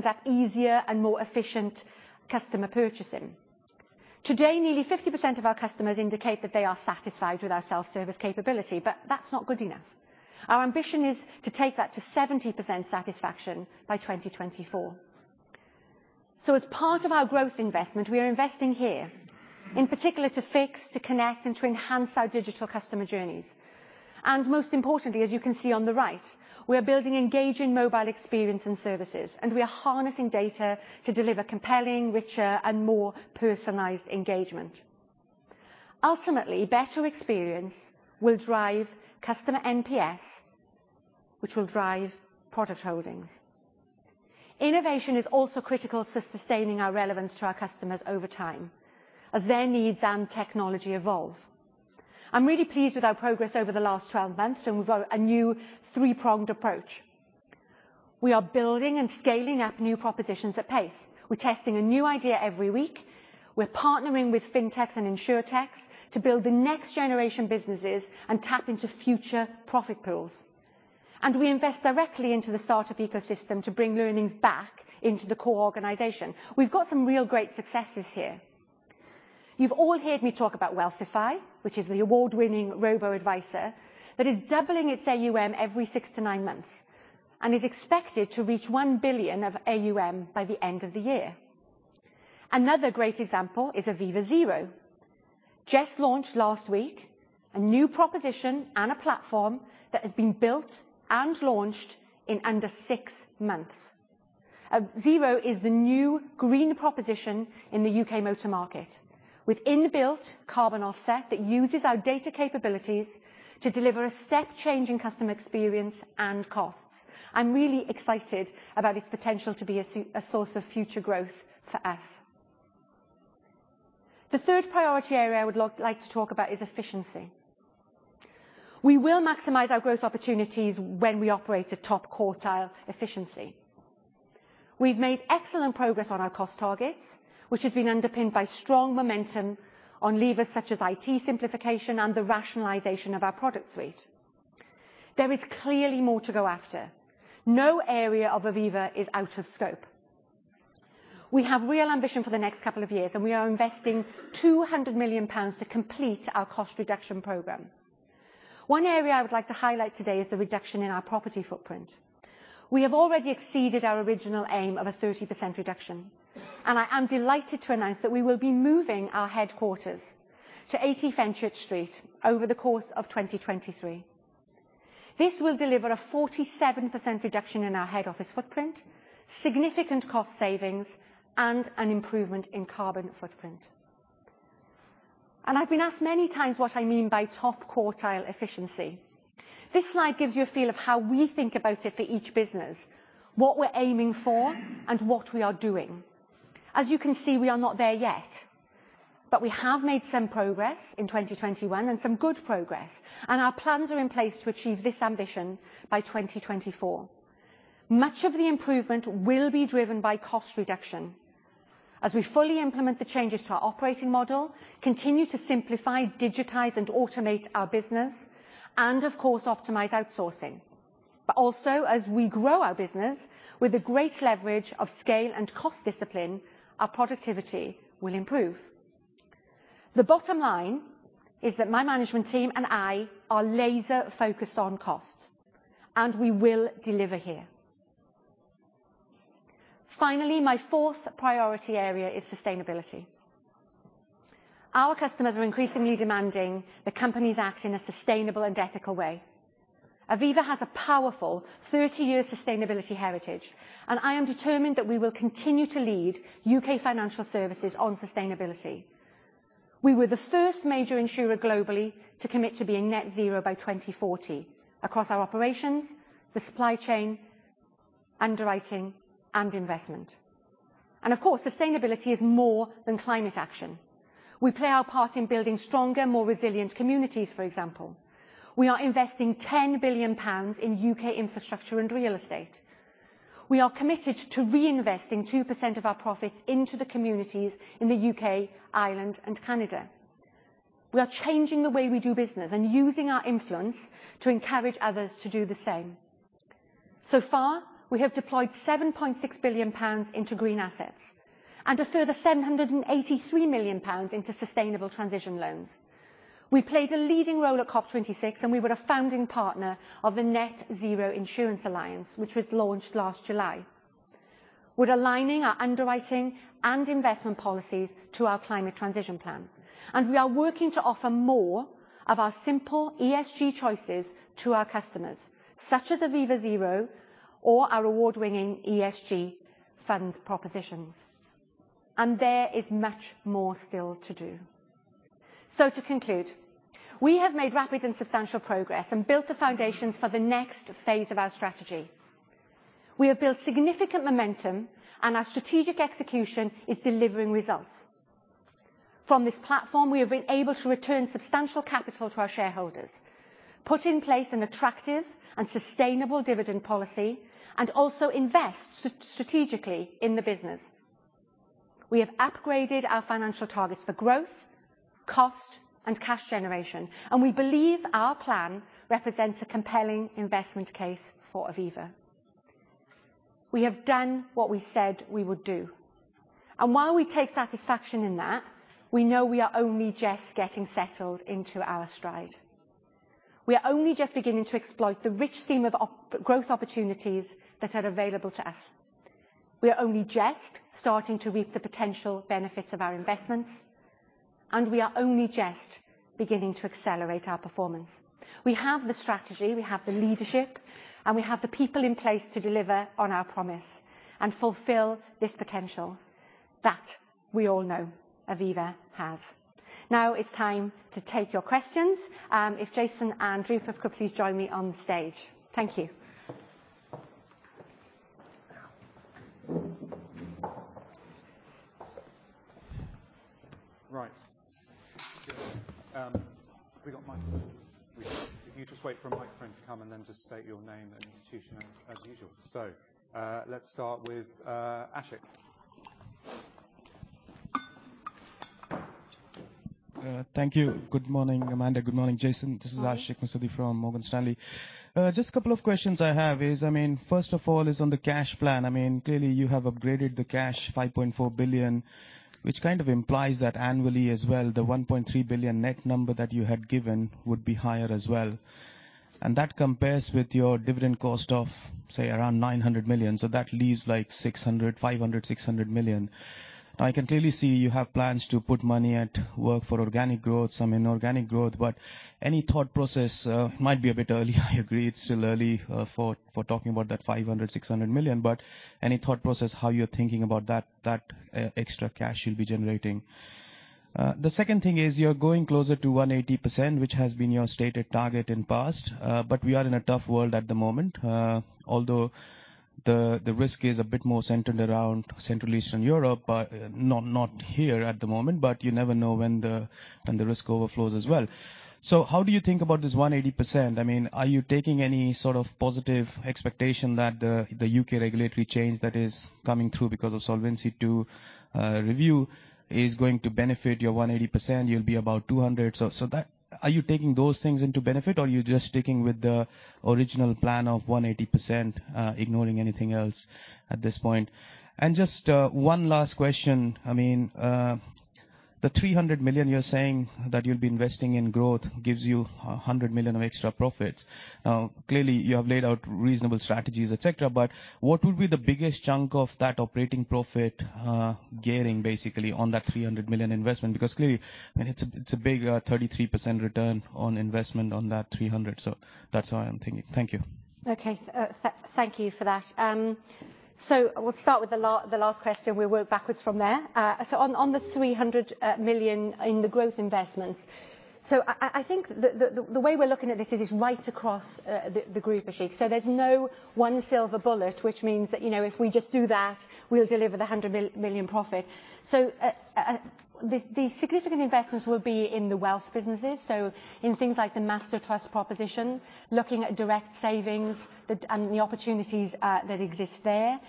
up easier and more efficient customer purchasing. Today, nearly 50% of our customers indicate that they are satisfied with our self-service capability, but that's not good enough. Our ambition is to take that to 70% satisfaction by 2024. As part of our growth investment, we are investing here, in particular to fix, to connect, and to enhance our digital customer journeys. Most importantly, as you can see on the right, we are building engaging mobile experience and services, and we are harnessing data to deliver compelling, richer, and more personalized engagement. Ultimately, better experience will drive customer NPS, which will drive product holdings. Innovation is also critical to sustaining our relevance to our customers over time as their needs and technology evolve. I'm really pleased with our progress over the last 12 months, and we've got a new three-pronged approach. We are building and scaling up new propositions at pace. We're testing a new idea every week. We're partnering with FinTechs and Insurtechs to build the next generation businesses and tap into future profit pools. We invest directly into the startup ecosystem to bring learnings back into the core organization. We've got some really great successes here. You've all heard me talk about Wealthify, which is the award-winning robo-advisor that is doubling its AUM every six-nine months and is expected to reach one billion of AUM by the end of the year. Another great example is Aviva Zero. Just launched last week, a new proposition and a platform that has been built and launched in under six months. Zero is the new green proposition in the U.K. motor market with inbuilt carbon offset that uses our data capabilities to deliver a step change in customer experience and costs. I'm really excited about its potential to be a source of future growth for us. The third priority area I would like to talk about is efficiency. We will maximize our growth opportunities when we operate at top quartile efficiency. We've made excellent progress on our cost targets, which has been underpinned by strong momentum on levers such as IT simplification and the rationalization of our product suite. There is clearly more to go after. No area of Aviva is out of scope. We have real ambition for the next couple of years, and we are investing 200 million pounds to complete our cost reduction program. One area I would like to highlight today is the reduction in our property footprint. We have already exceeded our original aim of a 30% reduction, and I am delighted to announce that we will be moving our headquarters to 80 Fenchurch Street over the course of 2023. This will deliver a 47% reduction in our head office footprint, significant cost savings, and an improvement in carbon footprint. I've been asked many times what I mean by top quartile efficiency. This slide gives you a feel of how we think about it for each business, what we're aiming for, and what we are doing. As you can see, we are not there yet, but we have made some progress in 2021, and some good progress, and our plans are in place to achieve this ambition by 2024. Much of the improvement will be driven by cost reduction. As we fully implement the changes to our operating model, continue to simplify, digitize, and automate our business, and of course, optimize outsourcing. Also, as we grow our business with the great leverage of scale and cost discipline, our productivity will improve. The bottom line is that my management team and I are laser focused on cost, and we will deliver here. Finally, my fourth priority area is sustainability. Our customers are increasingly demanding that companies act in a sustainable and ethical way. Aviva has a powerful 30-year sustainability heritage, and I am determined that we will continue to lead U.K. financial services on sustainability. We were the first major insurer globally to commit to being net zero by 2040 across our operations, the supply chain, underwriting, and investment. Of course, sustainability is more than climate action. We play our part in building stronger, more resilient communities, for example. We are investing 10 billion pounds in U.K. infrastructure and real estate. We are committed to reinvesting 2% of our profits into the communities in the U.K., Ireland, and Canada. We are changing the way we do business and using our influence to encourage others to do the same. So far, we have deployed 7.6 billion pounds into green assets, and a further 783 million pounds into sustainable transition loans. We played a leading role at COP 26, and we were a founding partner of the Net-Zero Insurance Alliance, which was launched last July. We're aligning our underwriting and investment policies to our climate transition plan, and we are working to offer more of our simple ESG choices to our customers, such as Aviva Zero or our award-winning ESG fund propositions. There is much more still to do. To conclude, we have made rapid and substantial progress and built the foundations for the next phase of our strategy. We have built significant momentum, and our strategic execution is delivering results. From this platform, we have been able to return substantial capital to our shareholders, put in place an attractive and sustainable dividend policy, and also invest strategically in the business. We have upgraded our financial targets for growth, cost, and cash generation, and we believe our plan represents a compelling investment case for Aviva. We have done what we said we would do. While we take satisfaction in that, we know we are only just getting settled into our stride. We are only just beginning to exploit the rich seam of growth opportunities that are available to us. We are only just starting to reap the potential benefits of our investments, and we are only just beginning to accelerate our performance. We have the strategy, we have the leadership, and we have the people in place to deliver on our promise and fulfill this potential that we all know Aviva has. Now it's time to take your questions. If Jason and Rupert could please join me on stage. Thank you. Right. Have we got mics? We do. If you just wait for a microphone to come and then just state your name and institution as usual. Let's start with Ashik. Thank you. Good morning, Amanda. Good morning, Jason. Good morning. This is Ashik Musaddi from Morgan Stanley. Just a couple of questions I have is, I mean, first of all is on the cash plan. I mean, clearly you have upgraded the cash 5.4 billion, which kind of implies that annually as well, the 1.3 billion net number that you had given would be higher as well. That compares with your dividend cost of, say, around 900 million. So that leaves, like, 600, 500, 600 million. Now I can clearly see you have plans to put money at work for organic growth, some inorganic growth, but any thought process, might be a bit early I agree it's still early, for talking about that 500, 600 million, but any thought process how you're thinking about that extra cash you'll be generating? The second thing is you're going closer to 180%, which has been your stated target in past. But we are in a tough world at the moment. Although the risk is a bit more centered around Central Eastern Europe, but not here at the moment, but you never know when the risk overflows as well. How do you think about this 180%? I mean, are you taking any sort of positive expectation that the U.K. regulatory change that is coming through because of Solvency II review is going to benefit your 180%, you'll be about 200. Are you taking those things into benefit, or are you just sticking with the original plan of 180%, ignoring anything else at this point? Just one last question. I mean, the 300 million you're saying that you'll be investing in growth gives you 100 million of extra profits. Now, clearly, you have laid out reasonable strategies, et cetera, but what would be the biggest chunk of that operating profit, gaining basically on that 300 million investment? Because clearly, I mean, it's a, it's a big, 33% return on investment on that 300 million. That's how I am thinking. Thank you. Okay. Thank you for that. We'll start with the last question, we'll work backwards from there. On the 300 million in the growth investments. I think the way we're looking at this is right across the group, Ashik. There's no one silver bullet, which means that, you know, if we just do that, we'll deliver the 100 million profit. The significant investments will be in the wealth businesses. In things like the Master Trust proposition, looking at direct savings that and the opportunities that exist there,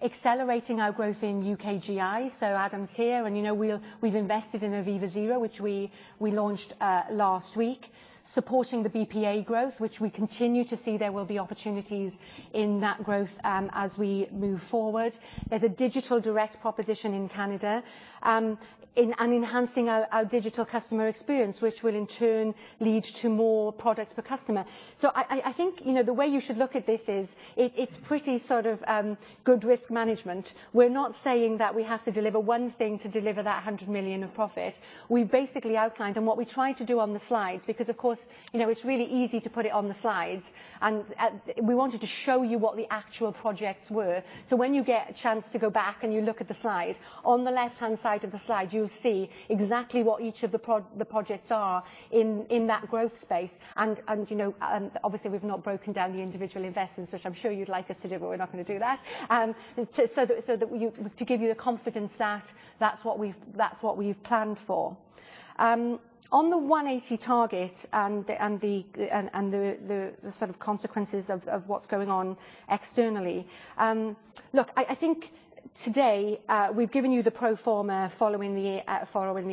accelerating our growth in U.K. GI. Adam's here, and you know, we've invested in Aviva Zero, which we launched last week, supporting the BPA growth, which we continue to see there will be opportunities in that growth as we move forward. There's a digital direct proposition in Canada in enhancing our digital customer experience, which will in turn lead to more products per customer. I think, you know, the way you should look at this is, it's pretty sort of good risk management. We're not saying that we have to deliver one thing to deliver that 100 million of profit. We basically outlined what we tried to do on the slides, because of course, you know, it's really easy to put it on the slides, and we wanted to show you what the actual projects were. When you get a chance to go back and you look at the slide, on the left-hand side of the slide, you'll see exactly what each of the projects are in that growth space. You know, obviously, we've not broken down the individual investments, which I'm sure you'd like us to do, but we're not gonna do that. To give you the confidence that that's what we've planned for. On the 180 target and the sort of consequences of what's going on externally, look, I think. Today, we've given you the pro forma following the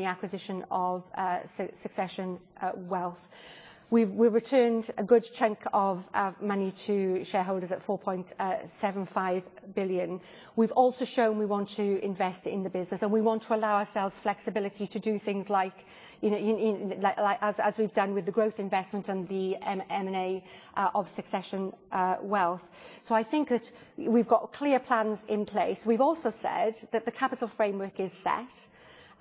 acquisition of Succession Wealth. We've returned a good chunk of money to shareholders at 4.75 billion. We've also shown we want to invest in the business, and we want to allow ourselves flexibility to do things like, you know, like as we've done with the growth investment and the M&A of Succession Wealth. I think that we've got clear plans in place. We've also said that the capital framework is set,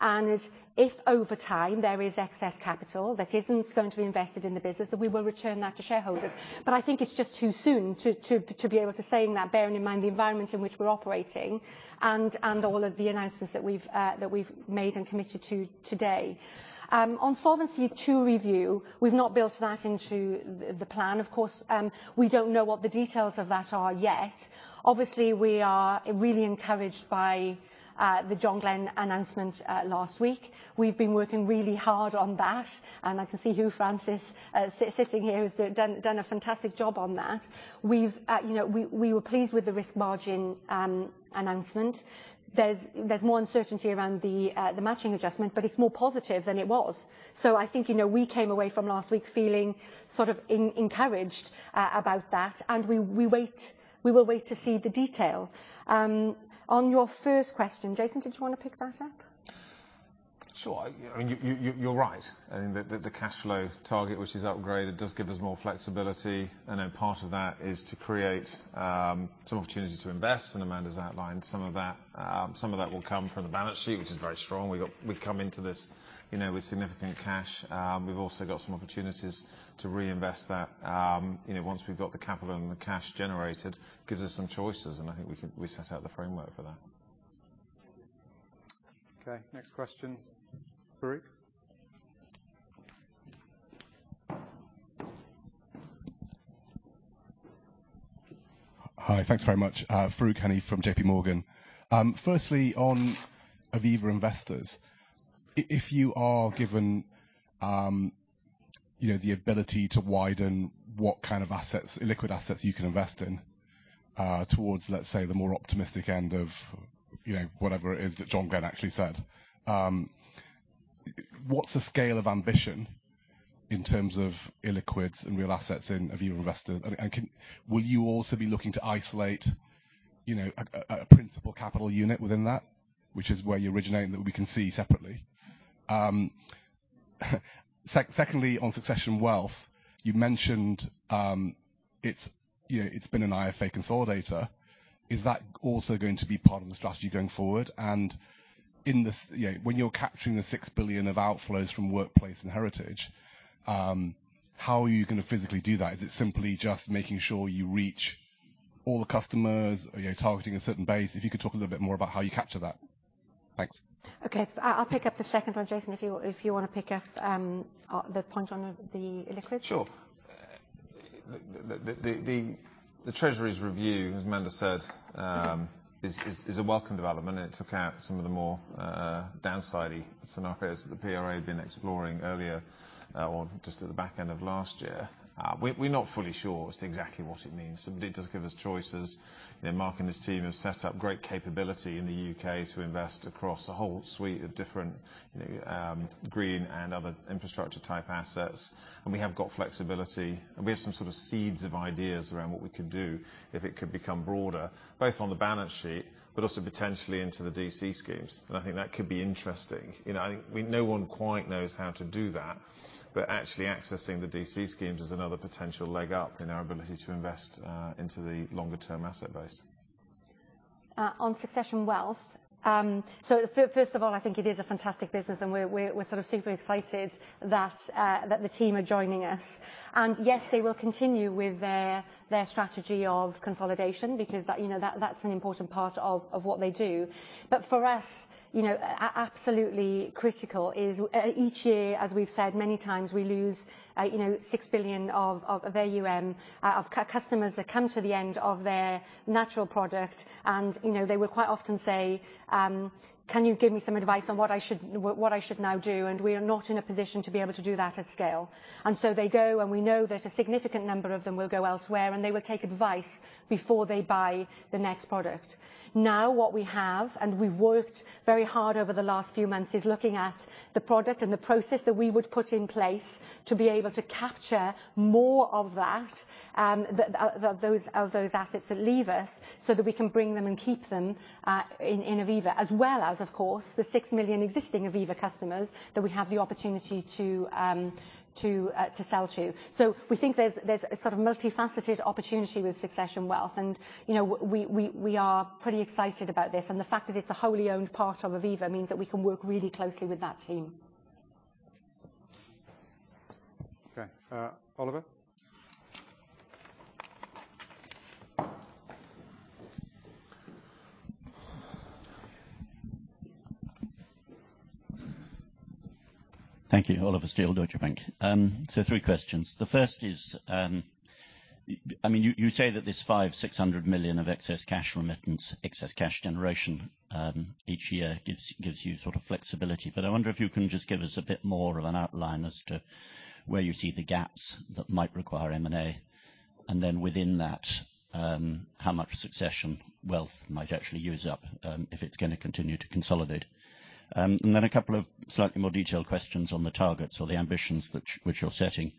and if over time there is excess capital that isn't going to be invested in the business, that we will return that to shareholders. I think it's just too soon to be able to say that bearing in mind the environment in which we're operating and all of the announcements that we've made and committed to today. On Solvency II review, we've not built that into the plan, of course. We don't know what the details of that are yet. Obviously, we are really encouraged by the John Glen announcement last week. We've been working really hard on that, and I can see Hugh Francis sitting here, who's done a fantastic job on that. We've you know we were pleased with the risk margin announcement. There's more uncertainty around the matching adjustment, but it's more positive than it was. I think, you know, we came away from last week feeling sort of encouraged about that, and we will wait to see the detail. On your first question, Jason, did you wanna pick that up? Sure. I mean, you're right in that the cash flow target which is upgraded does give us more flexibility, and then part of that is to create some opportunity to invest, and Amanda's outlined some of that. Some of that will come from the balance sheet, which is very strong. We've come into this, you know, with significant cash. We've also got some opportunities to reinvest that. You know, once we've got the capital and the cash generated, gives us some choices, and I think we can set out the framework for that. Okay. Next question, Farooq. Hi, thanks very much. Farooq Hanif from JPMorgan. Firstly, on Aviva Investors, if you are given, you know, the ability to widen what kind of assets, illiquid assets you can invest in, towards, let's say, the more optimistic end of, you know, whatever it is that John Glen actually said, what's the scale of ambition in terms of illiquids and real assets in Aviva Investors? Will you also be looking to isolate, you know, a principal capital unit within that, which is where you originate that we can see separately? Secondly, on Succession Wealth, you mentioned, it's, you know, it's been an IFA consolidator. Is that also going to be part of the strategy going forward? You know, when you're capturing the 6 billion of outflows from workplace and heritage, how are you gonna physically do that? Is it simply just making sure you reach all the customers, you know, targeting a certain base? If you could talk a little bit more about how you capture that. Thanks. Okay. I'll pick up the second one, Jason, if you wanna pick up the point on the illiquid. Sure. The Treasury's review, as Amanda said, is a welcome development. It took out some of the more downside-y scenarios that the PRA had been exploring earlier, or just at the back end of last year. We're not fully sure as to exactly what it means. It does give us choices. You know, Mark and his team have set up great capability in the U.K. to invest across a whole suite of different, you know, green and other infrastructure type assets. We have got flexibility, and we have some sort of seeds of ideas around what we could do if it could become broader, both on the balance sheet, but also potentially into the DC schemes, and I think that could be interesting. You know, I think we... No one quite knows how to do that, but actually accessing the DC schemes is another potential leg up in our ability to invest into the longer term asset base. On Succession Wealth, first of all, I think it is a fantastic business, and we're sort of super excited that the team are joining us. Yes, they will continue with their strategy of consolidation because that, you know, that's an important part of what they do. For us, you know, absolutely critical is each year, as we've said many times, we lose, you know, 6 billion of AUM of customers that come to the end of their natural product, and, you know, they will quite often say, "Can you give me some advice on what I should now do?" We are not in a position to be able to do that at scale. They go, and we know that a significant number of them will go elsewhere, and they will take advice before they buy the next product. Now, what we have, and we've worked very hard over the last few months, is looking at the product and the process that we would put in place to be able to capture more of that, of those assets that leave us so that we can bring them and keep them in Aviva. As well as, of course, the 6 million existing Aviva customers that we have the opportunity to sell to. We think there's a sort of multifaceted opportunity with Succession Wealth, and, you know, we are pretty excited about this. The fact that it's a wholly owned part of Aviva means that we can work really closely with that team. Okay. Oliver. Thank you. Oliver Steel, Deutsche Bank. So three questions. The first is, I mean, you say that this 500-600 million of excess cash remittance, excess cash generation, each year gives you sort of flexibility. I wonder if you can just give us a bit more of an outline as to where you see the gaps that might require M&A. And then within that, how much Succession Wealth might actually use up, if it's gonna continue to consolidate? And then a couple of slightly more detailed questions on the targets or the ambitions which you're setting.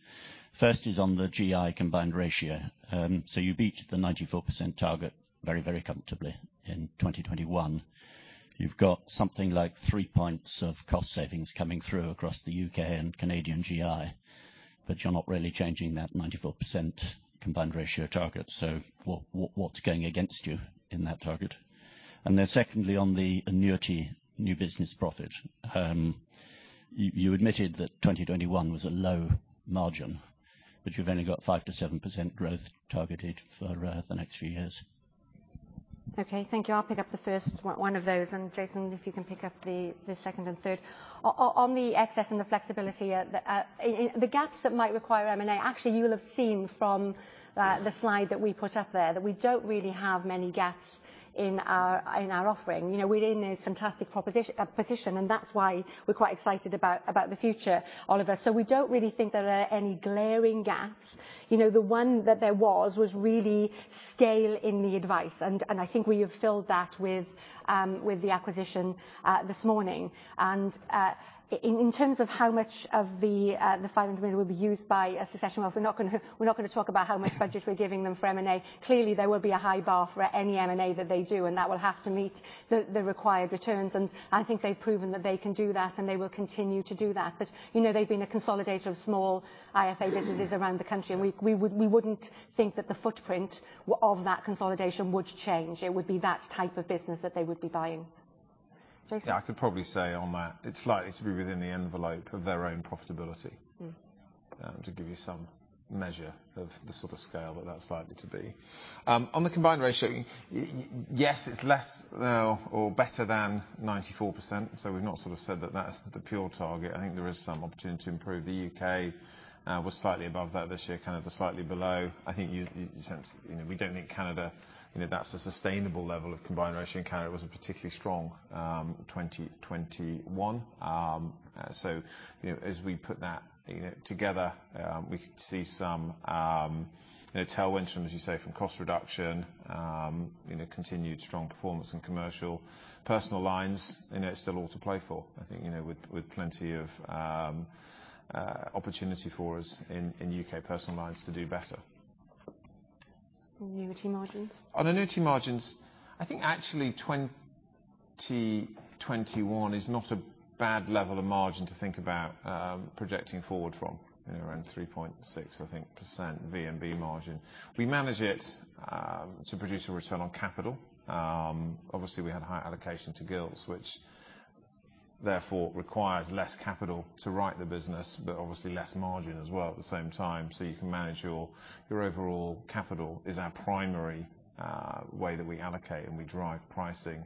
First is on the GI combined ratio. So you beat the 94% target very, very comfortably in 2021. You've got something like three points of cost savings coming through across the U.K. and Canadian GI, but you're not really changing that 94% combined ratio target. What's going against you in that target? Secondly, on the annuity new business profit, you admitted that 2021 was a low margin, but you've only got 5%-7% growth targeted for the next few years. Okay, thank you. I'll pick up the first one of those, and Jason, if you can pick up the second and third. On the excess and the flexibility, the gaps that might require M&A, actually, you will have seen from the slide that we put up there, that we don't really have many gaps in our offering. You know, we're in a fantastic position, and that's why we're quite excited about the future, Oliver. We don't really think there are any glaring gaps. You know, the one that there was really scale in the advice, and I think we have filled that with the acquisition this morning. In terms of how much of the 500 million will be used by Succession Wealth, we're not gonna talk about how much budget we're giving them for M&A. Clearly, there will be a high bar for any M&A that they do, and that will have to meet the required returns. I think they've proven that they can do that, and they will continue to do that. You know, they've been a consolidator of small IFA businesses around the country, and we wouldn't think that the footprint of that consolidation would change. It would be that type of business that they would be buying. Jason? Yeah, I could probably say on that it's likely to be within the envelope of their own profitability. Mm. To give you some measure of the sort of scale that that's likely to be. On the combined ratio, yes, it's less now or better than 94%, so we've not sort of said that that's the pure target. I think there is some opportunity to improve. The U.K. was slightly above that this year, kind of just slightly below. I think you sense, you know, we don't think Canada, you know, that's a sustainable level of combined ratio in Canada. It was a particularly strong 2021. You know, as we put that, you know, together, we can see some, you know, tailwinds from, as you say, from cost reduction, you know, continued strong performance in commercial personal lines, and it's still all to play for, I think, you know, with plenty of opportunity for us in U.K. personal lines to do better. On annuity margins? On annuity margins, I think actually 2021 is not a bad level of margin to think about projecting forward from. You know, around 3.6%, I think, VMB margin. We manage it to produce a return on capital. Obviously we had a high allocation to gilts, which therefore requires less capital to write the business, but obviously less margin as well at the same time, so you can manage your overall capital is our primary way that we allocate and we drive pricing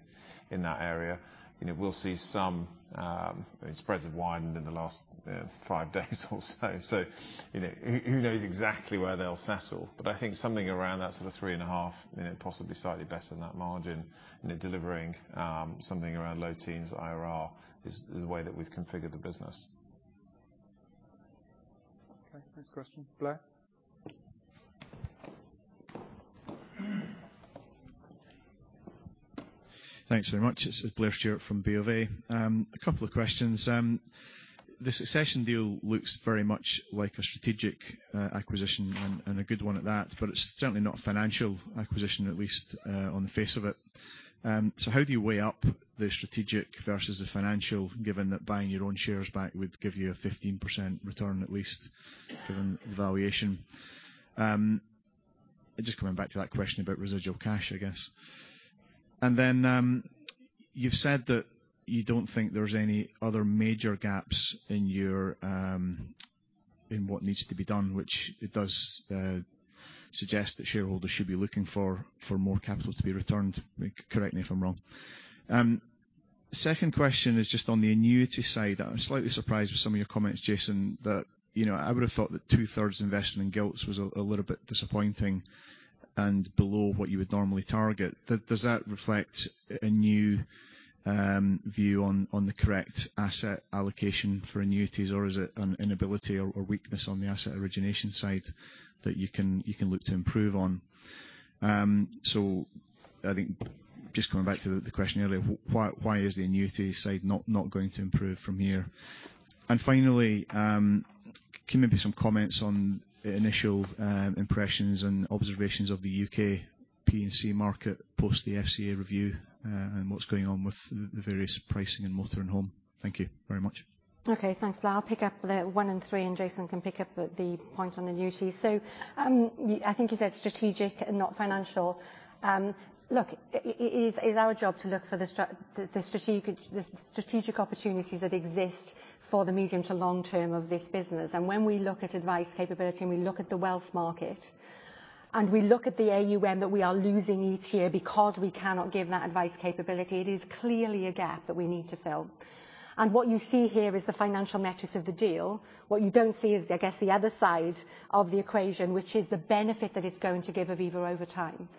in that area. You know, we'll see some. I mean, spreads have widened in the last, you know, 5 days or so. You know, who knows exactly where they'll settle? I think something around that sort of 3.5%, you know, possibly slightly better than that margin, you know, delivering something around low teens% IRR is the way that we've configured the business. Okay. Next question. Blair? Thanks very much. It's Blair Stewart from Bank of America. A couple of questions. The Succession deal looks very much like a strategic acquisition and a good one at that, but it's certainly not a financial acquisition, at least on the face of it. So how do you weigh up the strategic versus the financial, given that buying your own shares back would give you a 15% return at least, given the valuation? Just coming back to that question about residual cash, I guess. And then, you've said that you don't think there's any other major gaps in what needs to be done, which it does suggest that shareholders should be looking for more capital to be returned. Correct me if I'm wrong. Second question is just on the annuity side. I'm slightly surprised with some of your comments, Jason, that, you know, I would have thought that two-thirds investing in gilts was a little bit disappointing and below what you would normally target. Does that reflect a new view on the correct asset allocation for annuities, or is it an inability or weakness on the asset origination side that you can look to improve on? I think just coming back to the question earlier, why is the annuity side not going to improve from here? Finally, can you make some comments on initial impressions and observations of the U.K. P&C market post the FCA review, and what's going on with the various pricing in motor and home? Thank you very much. Okay. Thanks, Blair. I'll pick up the one in three, and Jason can pick up the point on annuity. I think you said strategic and not financial. Look, it is our job to look for the strategic opportunities that exist for the medium to long term of this business. When we look at advice capability, and we look at the wealth market, and we look at the AUM that we are losing each year because we cannot give that advice capability, it is clearly a gap that we need to fill. What you see here is the financial metrics of the deal. What you don't see is, I guess, the other side of the equation, which is the benefit that it's going to give Aviva over time.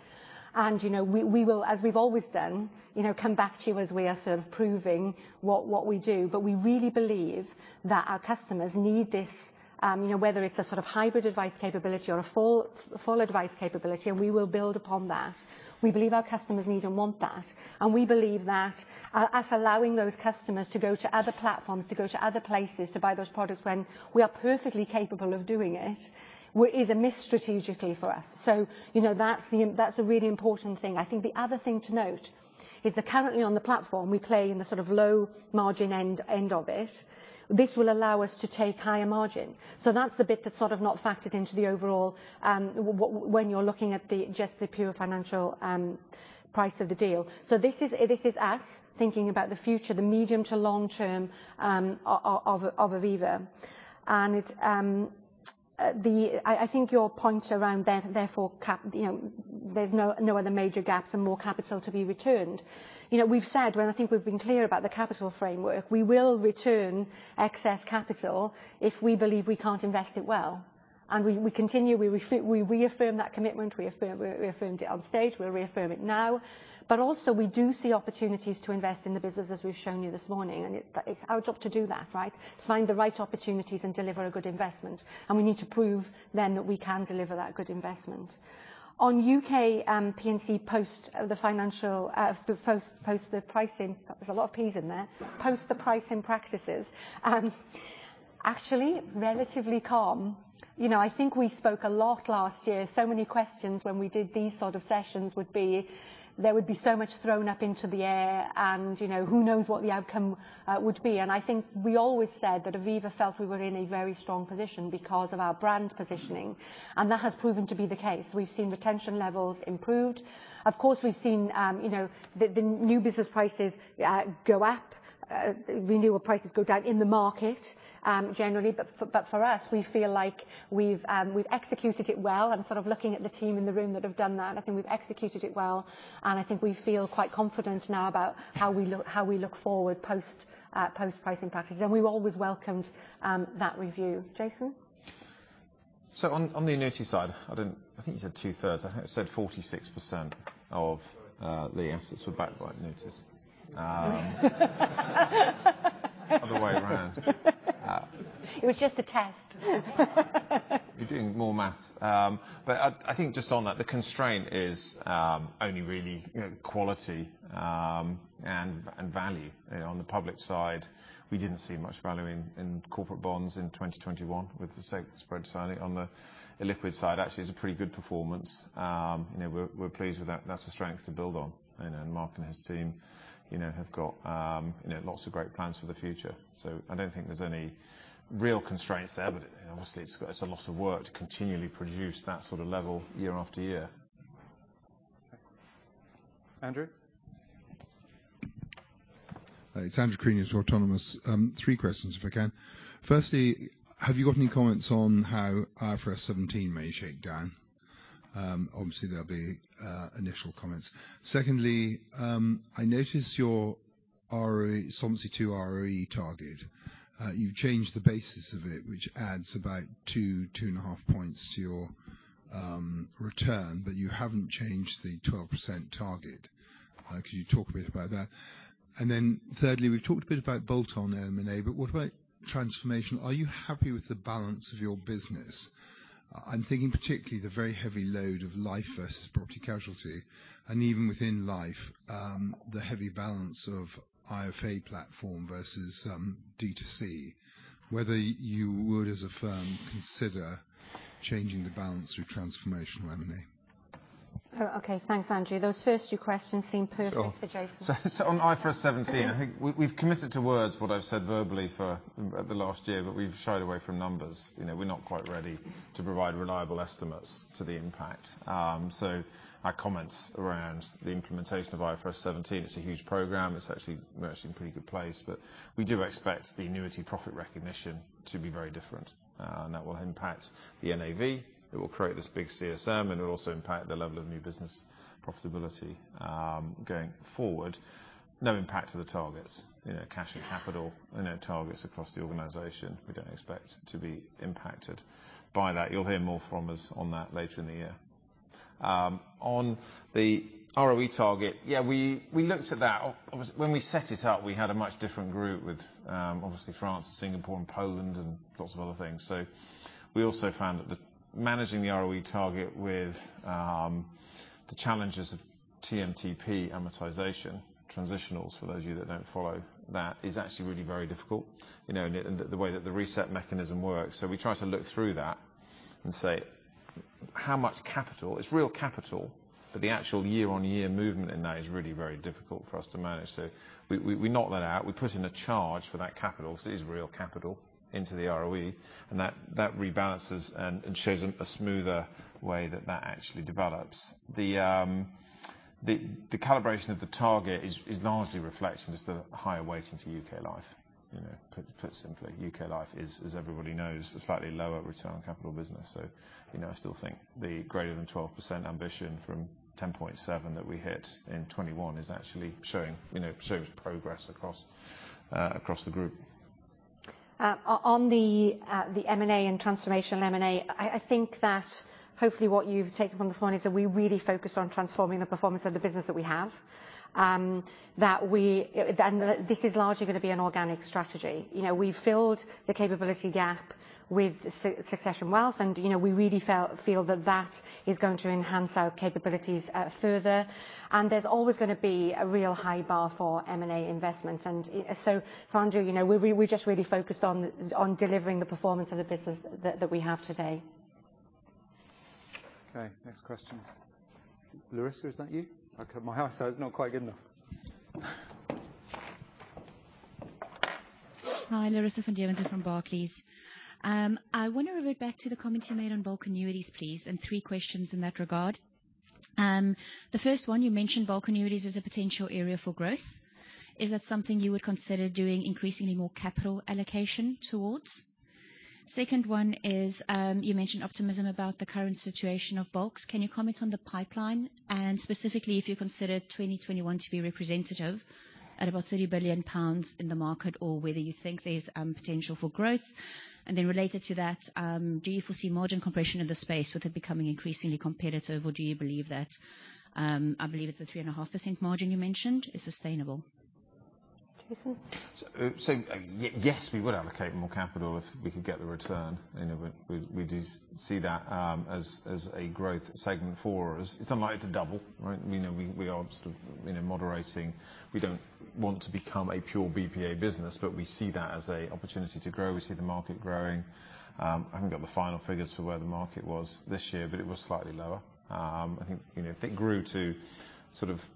You know, we will, as we've always done, you know, come back to you as we are sort of proving what we do. We really believe that our customers need this, you know, whether it's a sort of hybrid advice capability or a full advice capability, and we will build upon that. We believe our customers need and want that, and we believe that us allowing those customers to go to other platforms, to go to other places to buy those products when we are perfectly capable of doing it, is amiss strategically for us. You know, that's a really important thing. I think the other thing to note is that currently on the platform we play in the sort of low margin end of it. This will allow us to take higher margin. That's the bit that's sort of not factored into the overall when you're looking at just the pure financial price of the deal. This is us thinking about the future, the medium to long term of Aviva. I think your point around there, therefore capital. You know, there's no other major gaps and more capital to be returned. You know, we've said and I think we've been clear about the capital framework. We will return excess capital if we believe we can't invest it well. We reaffirm that commitment. We affirmed it on stage, we reaffirm it now. But also we do see opportunities to invest in the business as we've shown you this morning. It's our job to do that, right? Find the right opportunities and deliver a good investment. We need to prove then that we can deliver that good investment. On U.K. P&C post the pricing practices, actually relatively calm. You know, I think we spoke a lot last year. Many questions when we did these sort of sessions would be so much thrown up into the air, you know, who knows what the outcome would be. There's a lot of Ps in there. I think we always said that Aviva felt we were in a very strong position because of our brand positioning, and that has proven to be the case. We've seen retention levels improved. Of course, we've seen, you know, the new business prices go up, renewal prices go down in the market, generally. But for us, we feel like we've executed it well, and sort of looking at the team in the room that have done that, I think we've executed it well, and I think we feel quite confident now about how we look forward post-pricing practices. We've always welcomed that review. Jason? On the annuity side, I think you said two-thirds. I heard you said 46% of the assets were backed by annuities. Other way around. It was just a test. You're doing more math. I think just on that, the constraint is only really, you know, quality, and value. You know, on the public side, we didn't see much value in corporate bonds in 2021 with the spread tightening. On the illiquid side, actually it's a pretty good performance. You know, we're pleased with that. That's a strength to build on. You know, Mark and his team, you know, have got, you know, lots of great plans for the future. I don't think there's any real constraints there, but obviously it's a lot of work to continually produce that sort of level year after year. Andrew? It's Andrew Crean at Autonomous. three questions if I can. Firstly, have you got any comments on how IFRS 17 may shake down? Obviously there'll be initial comments. Secondly, I notice your ROE, Solvency II ROE target. You've changed the basis of it, which adds about 2-2.5 points to your return, but you haven't changed the 12% target. Could you talk a bit about that? Then thirdly, we've talked a bit about bolt-on M&A, but what about transformational? Are you happy with the balance of your business? I'm thinking particularly the very heavy load of life versus property casualty, and even within life, the heavy balance of IFA platform versus D2C, whether you would as a firm consider changing the balance through transformational M&A. Oh, okay. Thanks, Andrew. Those first two questions seem perfect for Jason. Sure. On IFRS 17, I think we've committed to what I've said verbally for the last year, but we've shied away from numbers. You know, we're not quite ready to provide reliable estimates of the impact. Our comments around the implementation of IFRS 17, it's a huge program. It's actually mostly in a pretty good place. But we do expect the annuity profit recognition to be very different, and that will impact the NAV. It will create this big CSM, and it will also impact the level of new business profitability, going forward. No impact to the targets. You know, cash and capital, you know, targets across the organization we don't expect to be impacted by that. You'll hear more from us on that later in the year. On the ROE target, yeah, we looked at that. Obviously, when we set it up, we had a much different group with obviously France, Singapore and Poland and lots of other things. We also found that managing the ROE target with the challenges of TMTP amortization transitionals, for those of you that don't follow that, is actually really very difficult, you know, and it, the way that the reset mechanism works. We try to look through that and say how much capital. It's real capital, but the actual year-on-year movement in that is really very difficult for us to manage. We knock that out. We put in a charge for that capital, because it is real capital, into the ROE, and that rebalances and shows a smoother way that that actually develops. The calibration of the target is largely a reflection of just the higher weighting to U.K. Life. You know, put simply, U.K. Life is, as everybody knows, a slightly lower return on capital business. You know, I still think the greater than 12% ambition from 10.7 that we hit in 2021 actually shows progress across the group. On the M&A and transformation M&A, I think that hopefully what you've taken from this morning is that we really focus on transforming the performance of the business that we have. This is largely gonna be an organic strategy. You know, we've filled the capability gap with Succession Wealth, and, you know, we really feel that that is going to enhance our capabilities, further. There's always gonna be a real high bar for M&A investment. Sandra, you know, we just really focused on delivering the performance of the business that we have today. Okay. Next questions. Larissa, is that you? Okay, my eyesight is not quite good enough. Hi. Larissa van Deventer from Barclays. I wanna revert back to the comments you made on bulk annuities, please, and three questions in that regard. The first one, you mentioned bulk annuities as a potential area for growth. Is that something you would consider doing increasingly more capital allocation towards? Second one is, you mentioned optimism about the current situation of bulks. Can you comment on the pipeline? And specifically, if you consider 2021 to be representative at about 30 billion pounds in the market or whether you think there's potential for growth. And then related to that, do you foresee margin compression in the space with it becoming increasingly competitive, or do you believe that, I believe it's a 3.5% margin you mentioned, is sustainable? Jason? Yes, we would allocate more capital if we could get the return. You know, we do see that as a growth segment for us. It's unlikely to double, right? You know, we are sort of moderating. We don't want to become a pure BPA business, but we see that as an opportunity to grow. We see the market growing. I haven't got the final figures for where the market was this year, but it was slightly lower. I think, you know, if it grew to sort of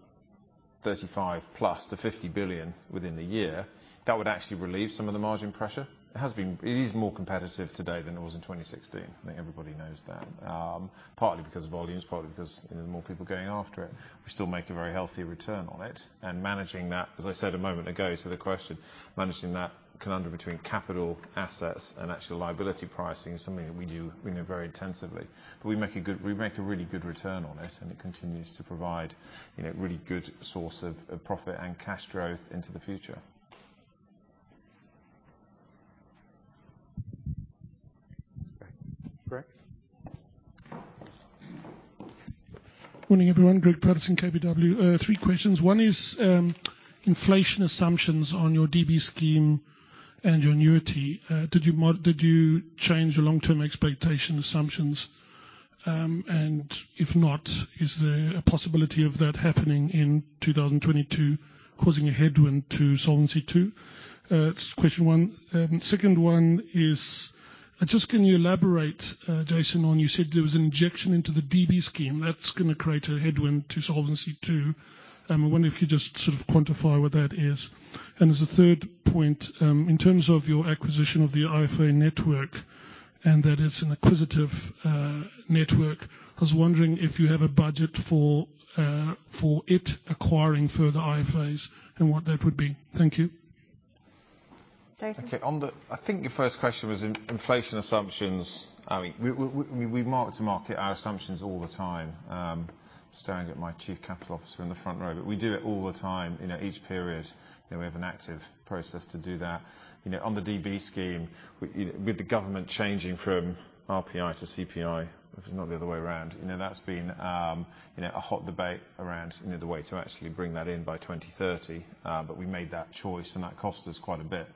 35+ billion to 50 billion within the year, that would actually relieve some of the margin pressure. It is more competitive today than it was in 2016. I think everybody knows that. Partly because of volumes, partly because, you know, more people going after it. We still make a very healthy return on it. Managing that, as I said a moment ago to the question, managing that conundrum between capital assets and actual liability pricing is something that we do, we know, very intensively. We make a really good return on it, and it continues to provide, you know, really good source of profit and cash growth into the future. Greig? Morning, everyone. Greig Paterson, KBW. Three questions. One is, inflation assumptions on your DB scheme and your annuity. Did you change the long-term expectation assumptions? And if not, is there a possibility of that happening in 2022, causing a headwind to Solvency II? That's question one. Second one is, just can you elaborate, Jason, on you said there was an injection into the DB scheme that's gonna create a headwind to Solvency II. I wonder if you could just sort of quantify what that is. As a third point, in terms of your acquisition of the IFA network, and that it's an acquisitive network, I was wondering if you have a budget for it acquiring further IFAs and what that would be. Thank you. Jason? On the inflation assumptions, I think your first question was inflation assumptions. I mean, we mark to market our assumptions all the time. Staring at my Chief Capital Officer in the front row, but we do it all the time, you know, each period. You know, we have an active process to do that. You know, on the DB scheme, with the government changing from RPI to CPI, if not the other way around, you know, that's been a hot debate around the way to actually bring that in by 2030. But we made that choice, and that cost us quite a bit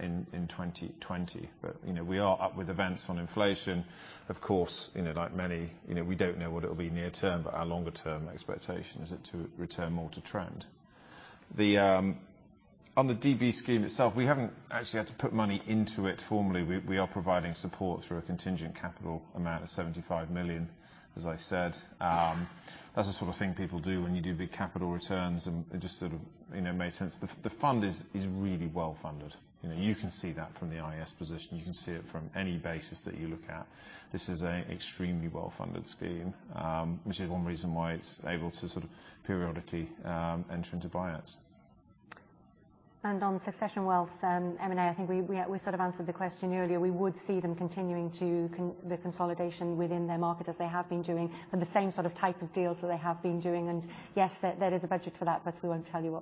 in 2020. You know, we keep up with events on inflation. Of course, you know, like many, you know, we don't know what it'll be near term, but our longer term expectation is for it to return more to trend. On the DB scheme itself, we haven't actually had to put money into it formally. We are providing support through a contingent capital amount of 75 million, as I said. That's the sort of thing people do when you do big capital returns and just sort of, you know, make sense. The fund is really well-funded. You know, you can see that from the IAS position. You can see it from any basis that you look at. This is an extremely well-funded scheme, which is one reason why it's able to sort of periodically enter into buyouts. On Succession Wealth, M&A, I think we sort of answered the question earlier. We would see them continuing to consolidate within their market as they have been doing, and the same sort of type of deals that they have been doing. Yes, there is a budget for that, but we won't tell you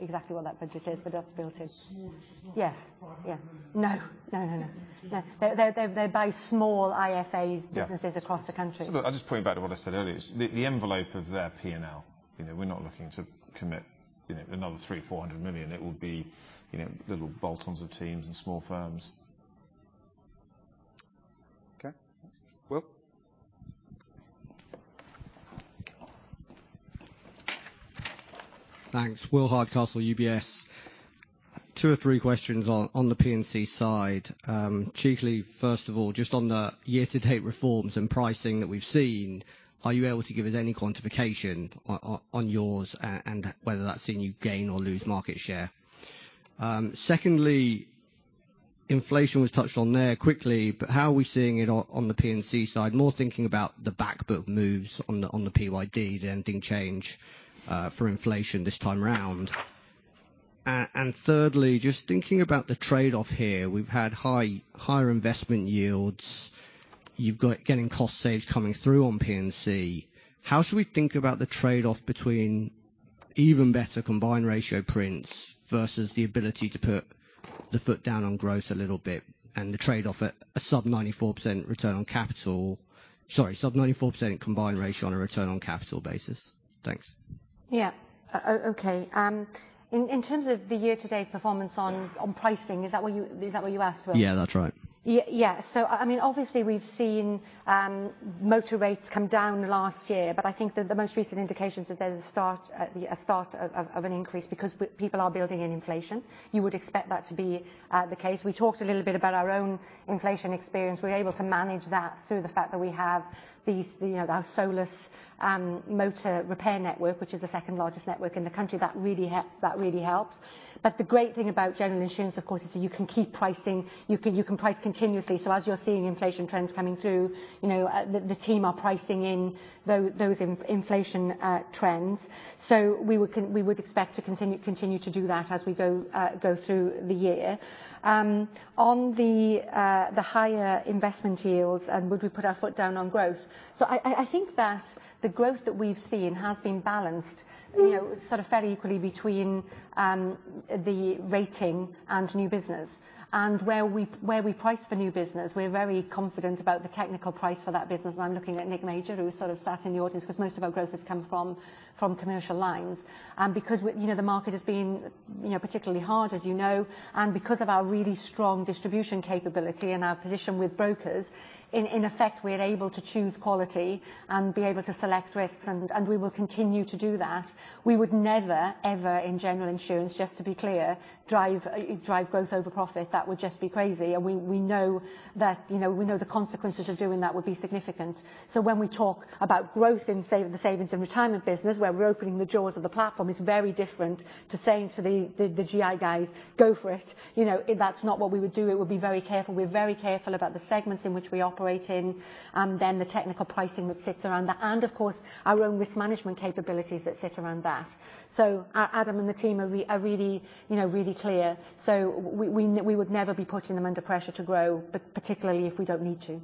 exactly what that budget is, but that's built in. Small No. They're very small IFAs. Yeah. Businesses across the country. Look, I'll just point back to what I said earlier. The envelope of their P&L, you know, we're not looking to commit, you know, another 300 million-400 million. It would be, you know, little bolt-ons of teams and small firms. Okay. Will? Thanks. Will Hardcastle, UBS. Two or three questions on the P&C side. Chiefly, first of all, just on the year-to-date reforms and pricing that we've seen, are you able to give us any quantification on yours and whether that's seen you gain or lose market share? Secondly, inflation was touched on there quickly, but how are we seeing it on the P&C side? More thinking about the back book moves on the PYD, the ending change for inflation this time around. Thirdly, just thinking about the trade-off here, we've had higher investment yields. You've got cost saves coming through on P&C. How should we think about the trade-off between even better combined ratio prints versus the ability to put the foot down on growth a little bit and the trade-off at a sub 94% return on capital? Sorry, sub 94% combined ratio on a return on capital basis. Thanks. Yeah. Okay. In terms of the year-to-date performance on pricing, is that what you asked for? Yeah, that's right. Yeah. I mean, obviously we've seen motor rates come down last year, but I think the most recent indications that there's a start of an increase because people are building in inflation. You would expect that to be the case. We talked a little bit about our own inflation experience. We're able to manage that through the fact that we have these, you know, our Solus motor repair network, which is the second largest network in the country, that really helps. The great thing about general insurance, of course, is that you can keep pricing. You can price continuously. As you're seeing inflation trends coming through, you know, the team are pricing in those inflation trends. We would expect to continue to do that as we go through the year. On the higher investment yields and would we put our foot down on growth. I think that the growth that we've seen has been balanced, you know, sort of fairly equally between the rating and new business. Where we price for new business, we're very confident about the technical price for that business. I'm looking at Nick Major, who is sort of sat in the audience, 'cause most of our growth has come from Commercial Lines. Because we... You know, the market has been, you know, particularly hard, as you know, and because of our really strong distribution capability and our position with brokers, in effect, we're able to choose quality and be able to select risks, and we will continue to do that. We would never, ever in general insurance, just to be clear, drive growth over profit. That would just be crazy. We know that. You know, we know the consequences of doing that would be significant. When we talk about growth in the savings and retirement business, where we're opening the doors of the platform, it's very different to saying to the GI guys, "Go for it." You know, that's not what we would do. We would be very careful. We're very careful about the segments in which we operate in, and then the technical pricing that sits around that, and of course, our own risk management capabilities that sit around that. Adam and the team are really, you know, really clear. We would never be putting them under pressure to grow, particularly if we don't need to.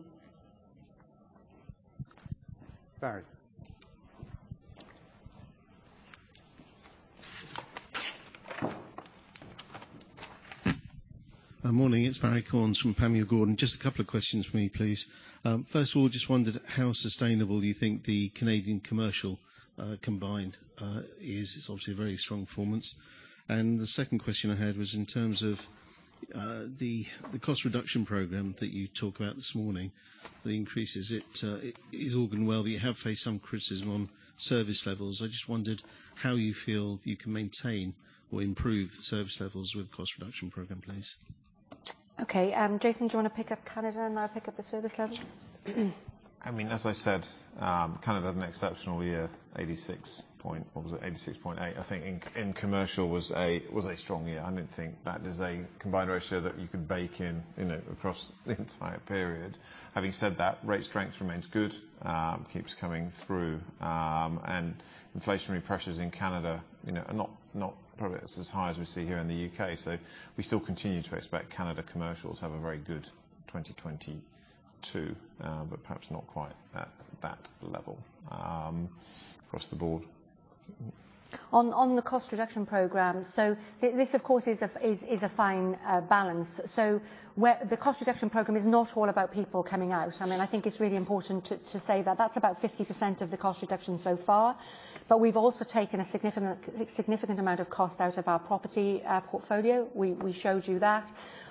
Barrie. Morning, it's Barrie Cornes from Panmure Gordon. Just a couple of questions for me, please. First of all, just wondered how sustainable you think the Canadian commercial combined is. It's obviously a very strong performance. The second question I had was in terms of the cost reduction program that you talked about this morning, the increases. It has all been well, but you have faced some criticism on service levels. I just wondered how you feel you can maintain or improve service levels with cost reduction program, please. Okay. Jason, do you wanna pick up Canada and I'll pick up the service levels? I mean, as I said, Canada had an exceptional year, 86.8%. I think in commercial was a strong year. I didn't think that is a combined ratio that you can bake in it across the entire period. Having said that, rate strength remains good, keeps coming through. Inflationary pressures in Canada, you know, are not probably as high as we see here in the U.K. We still continue to expect Canada commercials have a very good 2022, but perhaps not quite at that level across the board. On the cost reduction program, this of course is a fine balance. The cost reduction program is not all about people coming out. I mean, I think it's really important to say that. That's about 50% of the cost reduction so far. We've also taken a significant amount of cost out of our property portfolio. We showed you that.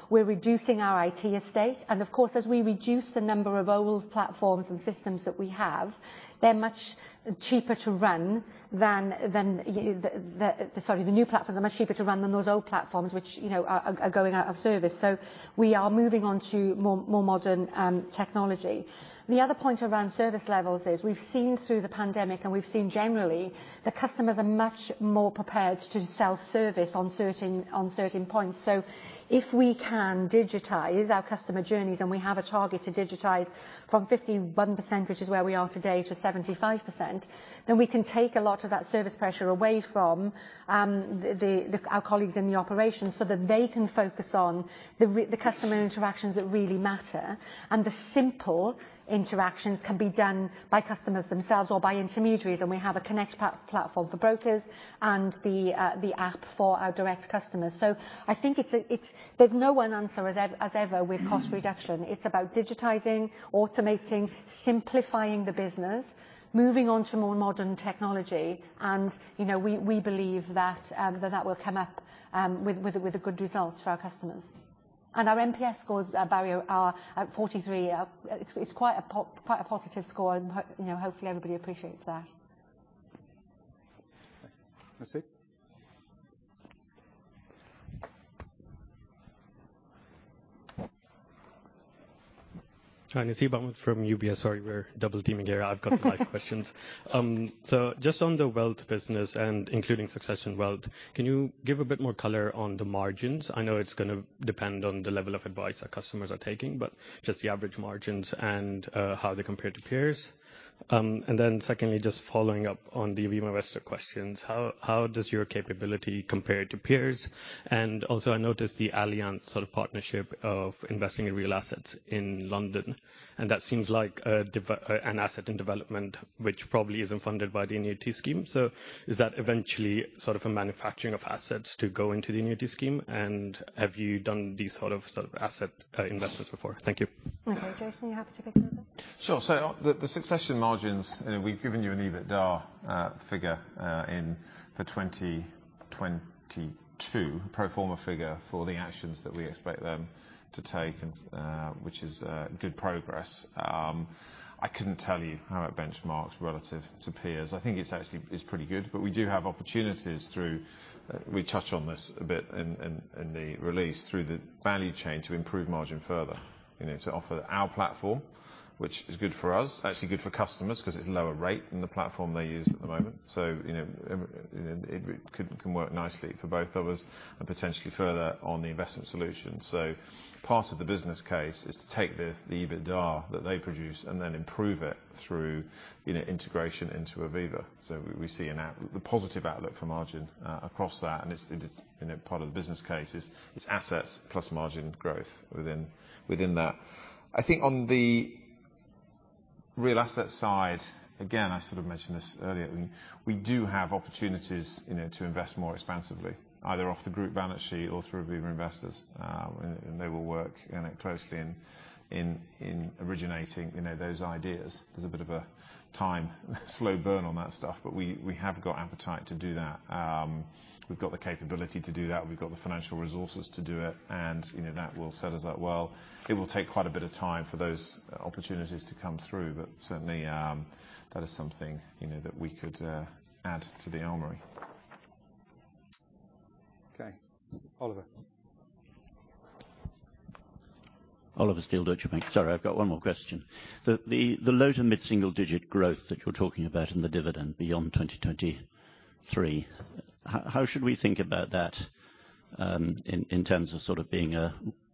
We're reducing our IT estate, and of course, as we reduce the number of old platforms and systems that we have, the new platforms are much cheaper to run than those old platforms which, you know, are going out of service. We are moving on to more modern technology. The other point around service levels is we've seen through the pandemic, and we've seen generally that customers are much more prepared to self-service on certain points. If we can digitize our customer journeys, and we have a target to digitize from 51%, which is where we are today, to 75%, then we can take a lot of that service pressure away from our colleagues in the operations so that they can focus on the customer interactions that really matter. The simple interactions can be done by customers themselves or by intermediaries, and we have a connect platform for brokers and the app for our direct customers. I think it's. There's no one answer as ever with cost reduction. It's about digitizing, automating, simplifying the business, moving on to more modern technology. You know, we believe that that will come up with a good result for our customers. Our NPS scores, Barrie, are at 43. It's quite a positive score, you know, hopefully everybody appreciates that. Nasib? Hi, Nasib. I'm from UBS. Sorry, we're double teaming here. I've got five questions. So just on the wealth business and including Succession Wealth, can you give a bit more color on the margins? I know it's gonna depend on the level of advice that customers are taking, but just the average margins and how they compare to peers. And then secondly, just following up on the Aviva Investors questions. How does your capability compare to peers? And also, I noticed the Allianz sort of partnership of investing in real assets in London, and that seems like an asset in development which probably isn't funded by the annuity scheme. So is that eventually sort of a manufacturing of assets to go into the annuity scheme, and have you done these sort of asset investments before? Thank you. Okay. Jason, you happy to take that one? Sure. The Succession margins, you know, we've given you an EBITDA figure in the 2022 pro forma figure for the actions that we expect them to take and which is good progress. I couldn't tell you how it benchmarks relative to peers. I think it's actually pretty good, but we do have opportunities. We touched on this a bit in the release through the value chain to improve margin further. You know, to offer our platform, which is good for us. Actually good for customers 'cause it's lower rate than the platform they use at the moment. You know, it can work nicely for both of us and potentially further on the investment solution. Part of the business case is to take the EBITDA that they produce and then improve it through, you know, integration into Aviva. We see a positive outlook for margin across that and it's, you know, part of the business case is assets plus margin growth within that. I think on the real asset side, again, I sort of mentioned this earlier, we do have opportunities, you know, to invest more expansively, either off the group balance sheet or through Aviva Investors. They will work, you know, closely in originating, you know, those ideas. There's a bit of a time slow burn on that stuff, but we have got appetite to do that. We've got the capability to do that, we've got the financial resources to do it, and you know, that will set us up well. It will take quite a bit of time for those opportunities to come through, but certainly, that is something, you know, that we could add to the armory. Okay. Oliver. Sorry, I've got one more question. The low to mid-single digit growth that you're talking about in the dividend beyond 2023, how should we think about that, in terms of sort of being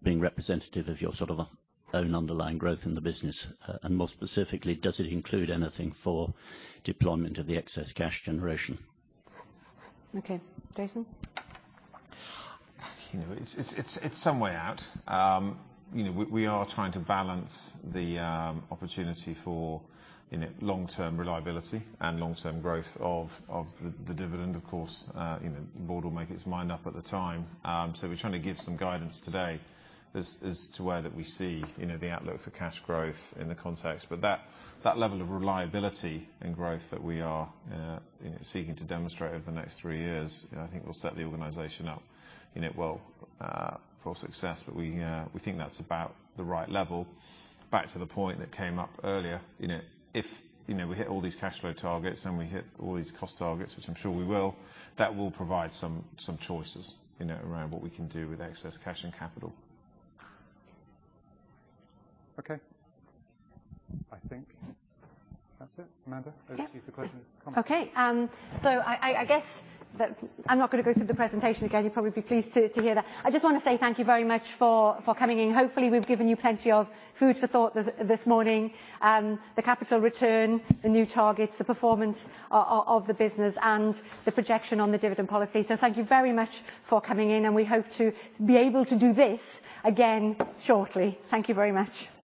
representative of your sort of own underlying growth in the business? And more specifically, does it include anything for deployment of the excess cash generation? Okay. Jason? You know, it's some way out. You know, we are trying to balance the opportunity for, you know, long-term reliability and long-term growth of the dividend of course. You know, the board will make its mind up at the time. We're trying to give some guidance today as to where we see, you know, the outlook for cash growth in the context. That level of reliability and growth that we are, you know, seeking to demonstrate over the next three years, you know, I think will set the organization up, you know, well, for success. We think that's about the right level. Back to the point that came up earlier, you know, if, you know, we hit all these cash flow targets and we hit all these cost targets, which I'm sure we will, that will provide some choices, you know, around what we can do with excess cash and capital. Okay. I think that's it. Amanda? Yeah. Over to you for closing comments. Okay. I guess that I'm not gonna go through the presentation again. You'll probably be pleased to hear that. I just wanna say thank you very much for coming in. Hopefully we've given you plenty of food for thought this morning. The capital return, the new targets, the performance of the business and the projection on the dividend policy. Thank you very much for coming in and we hope to be able to do this again shortly. Thank you very much.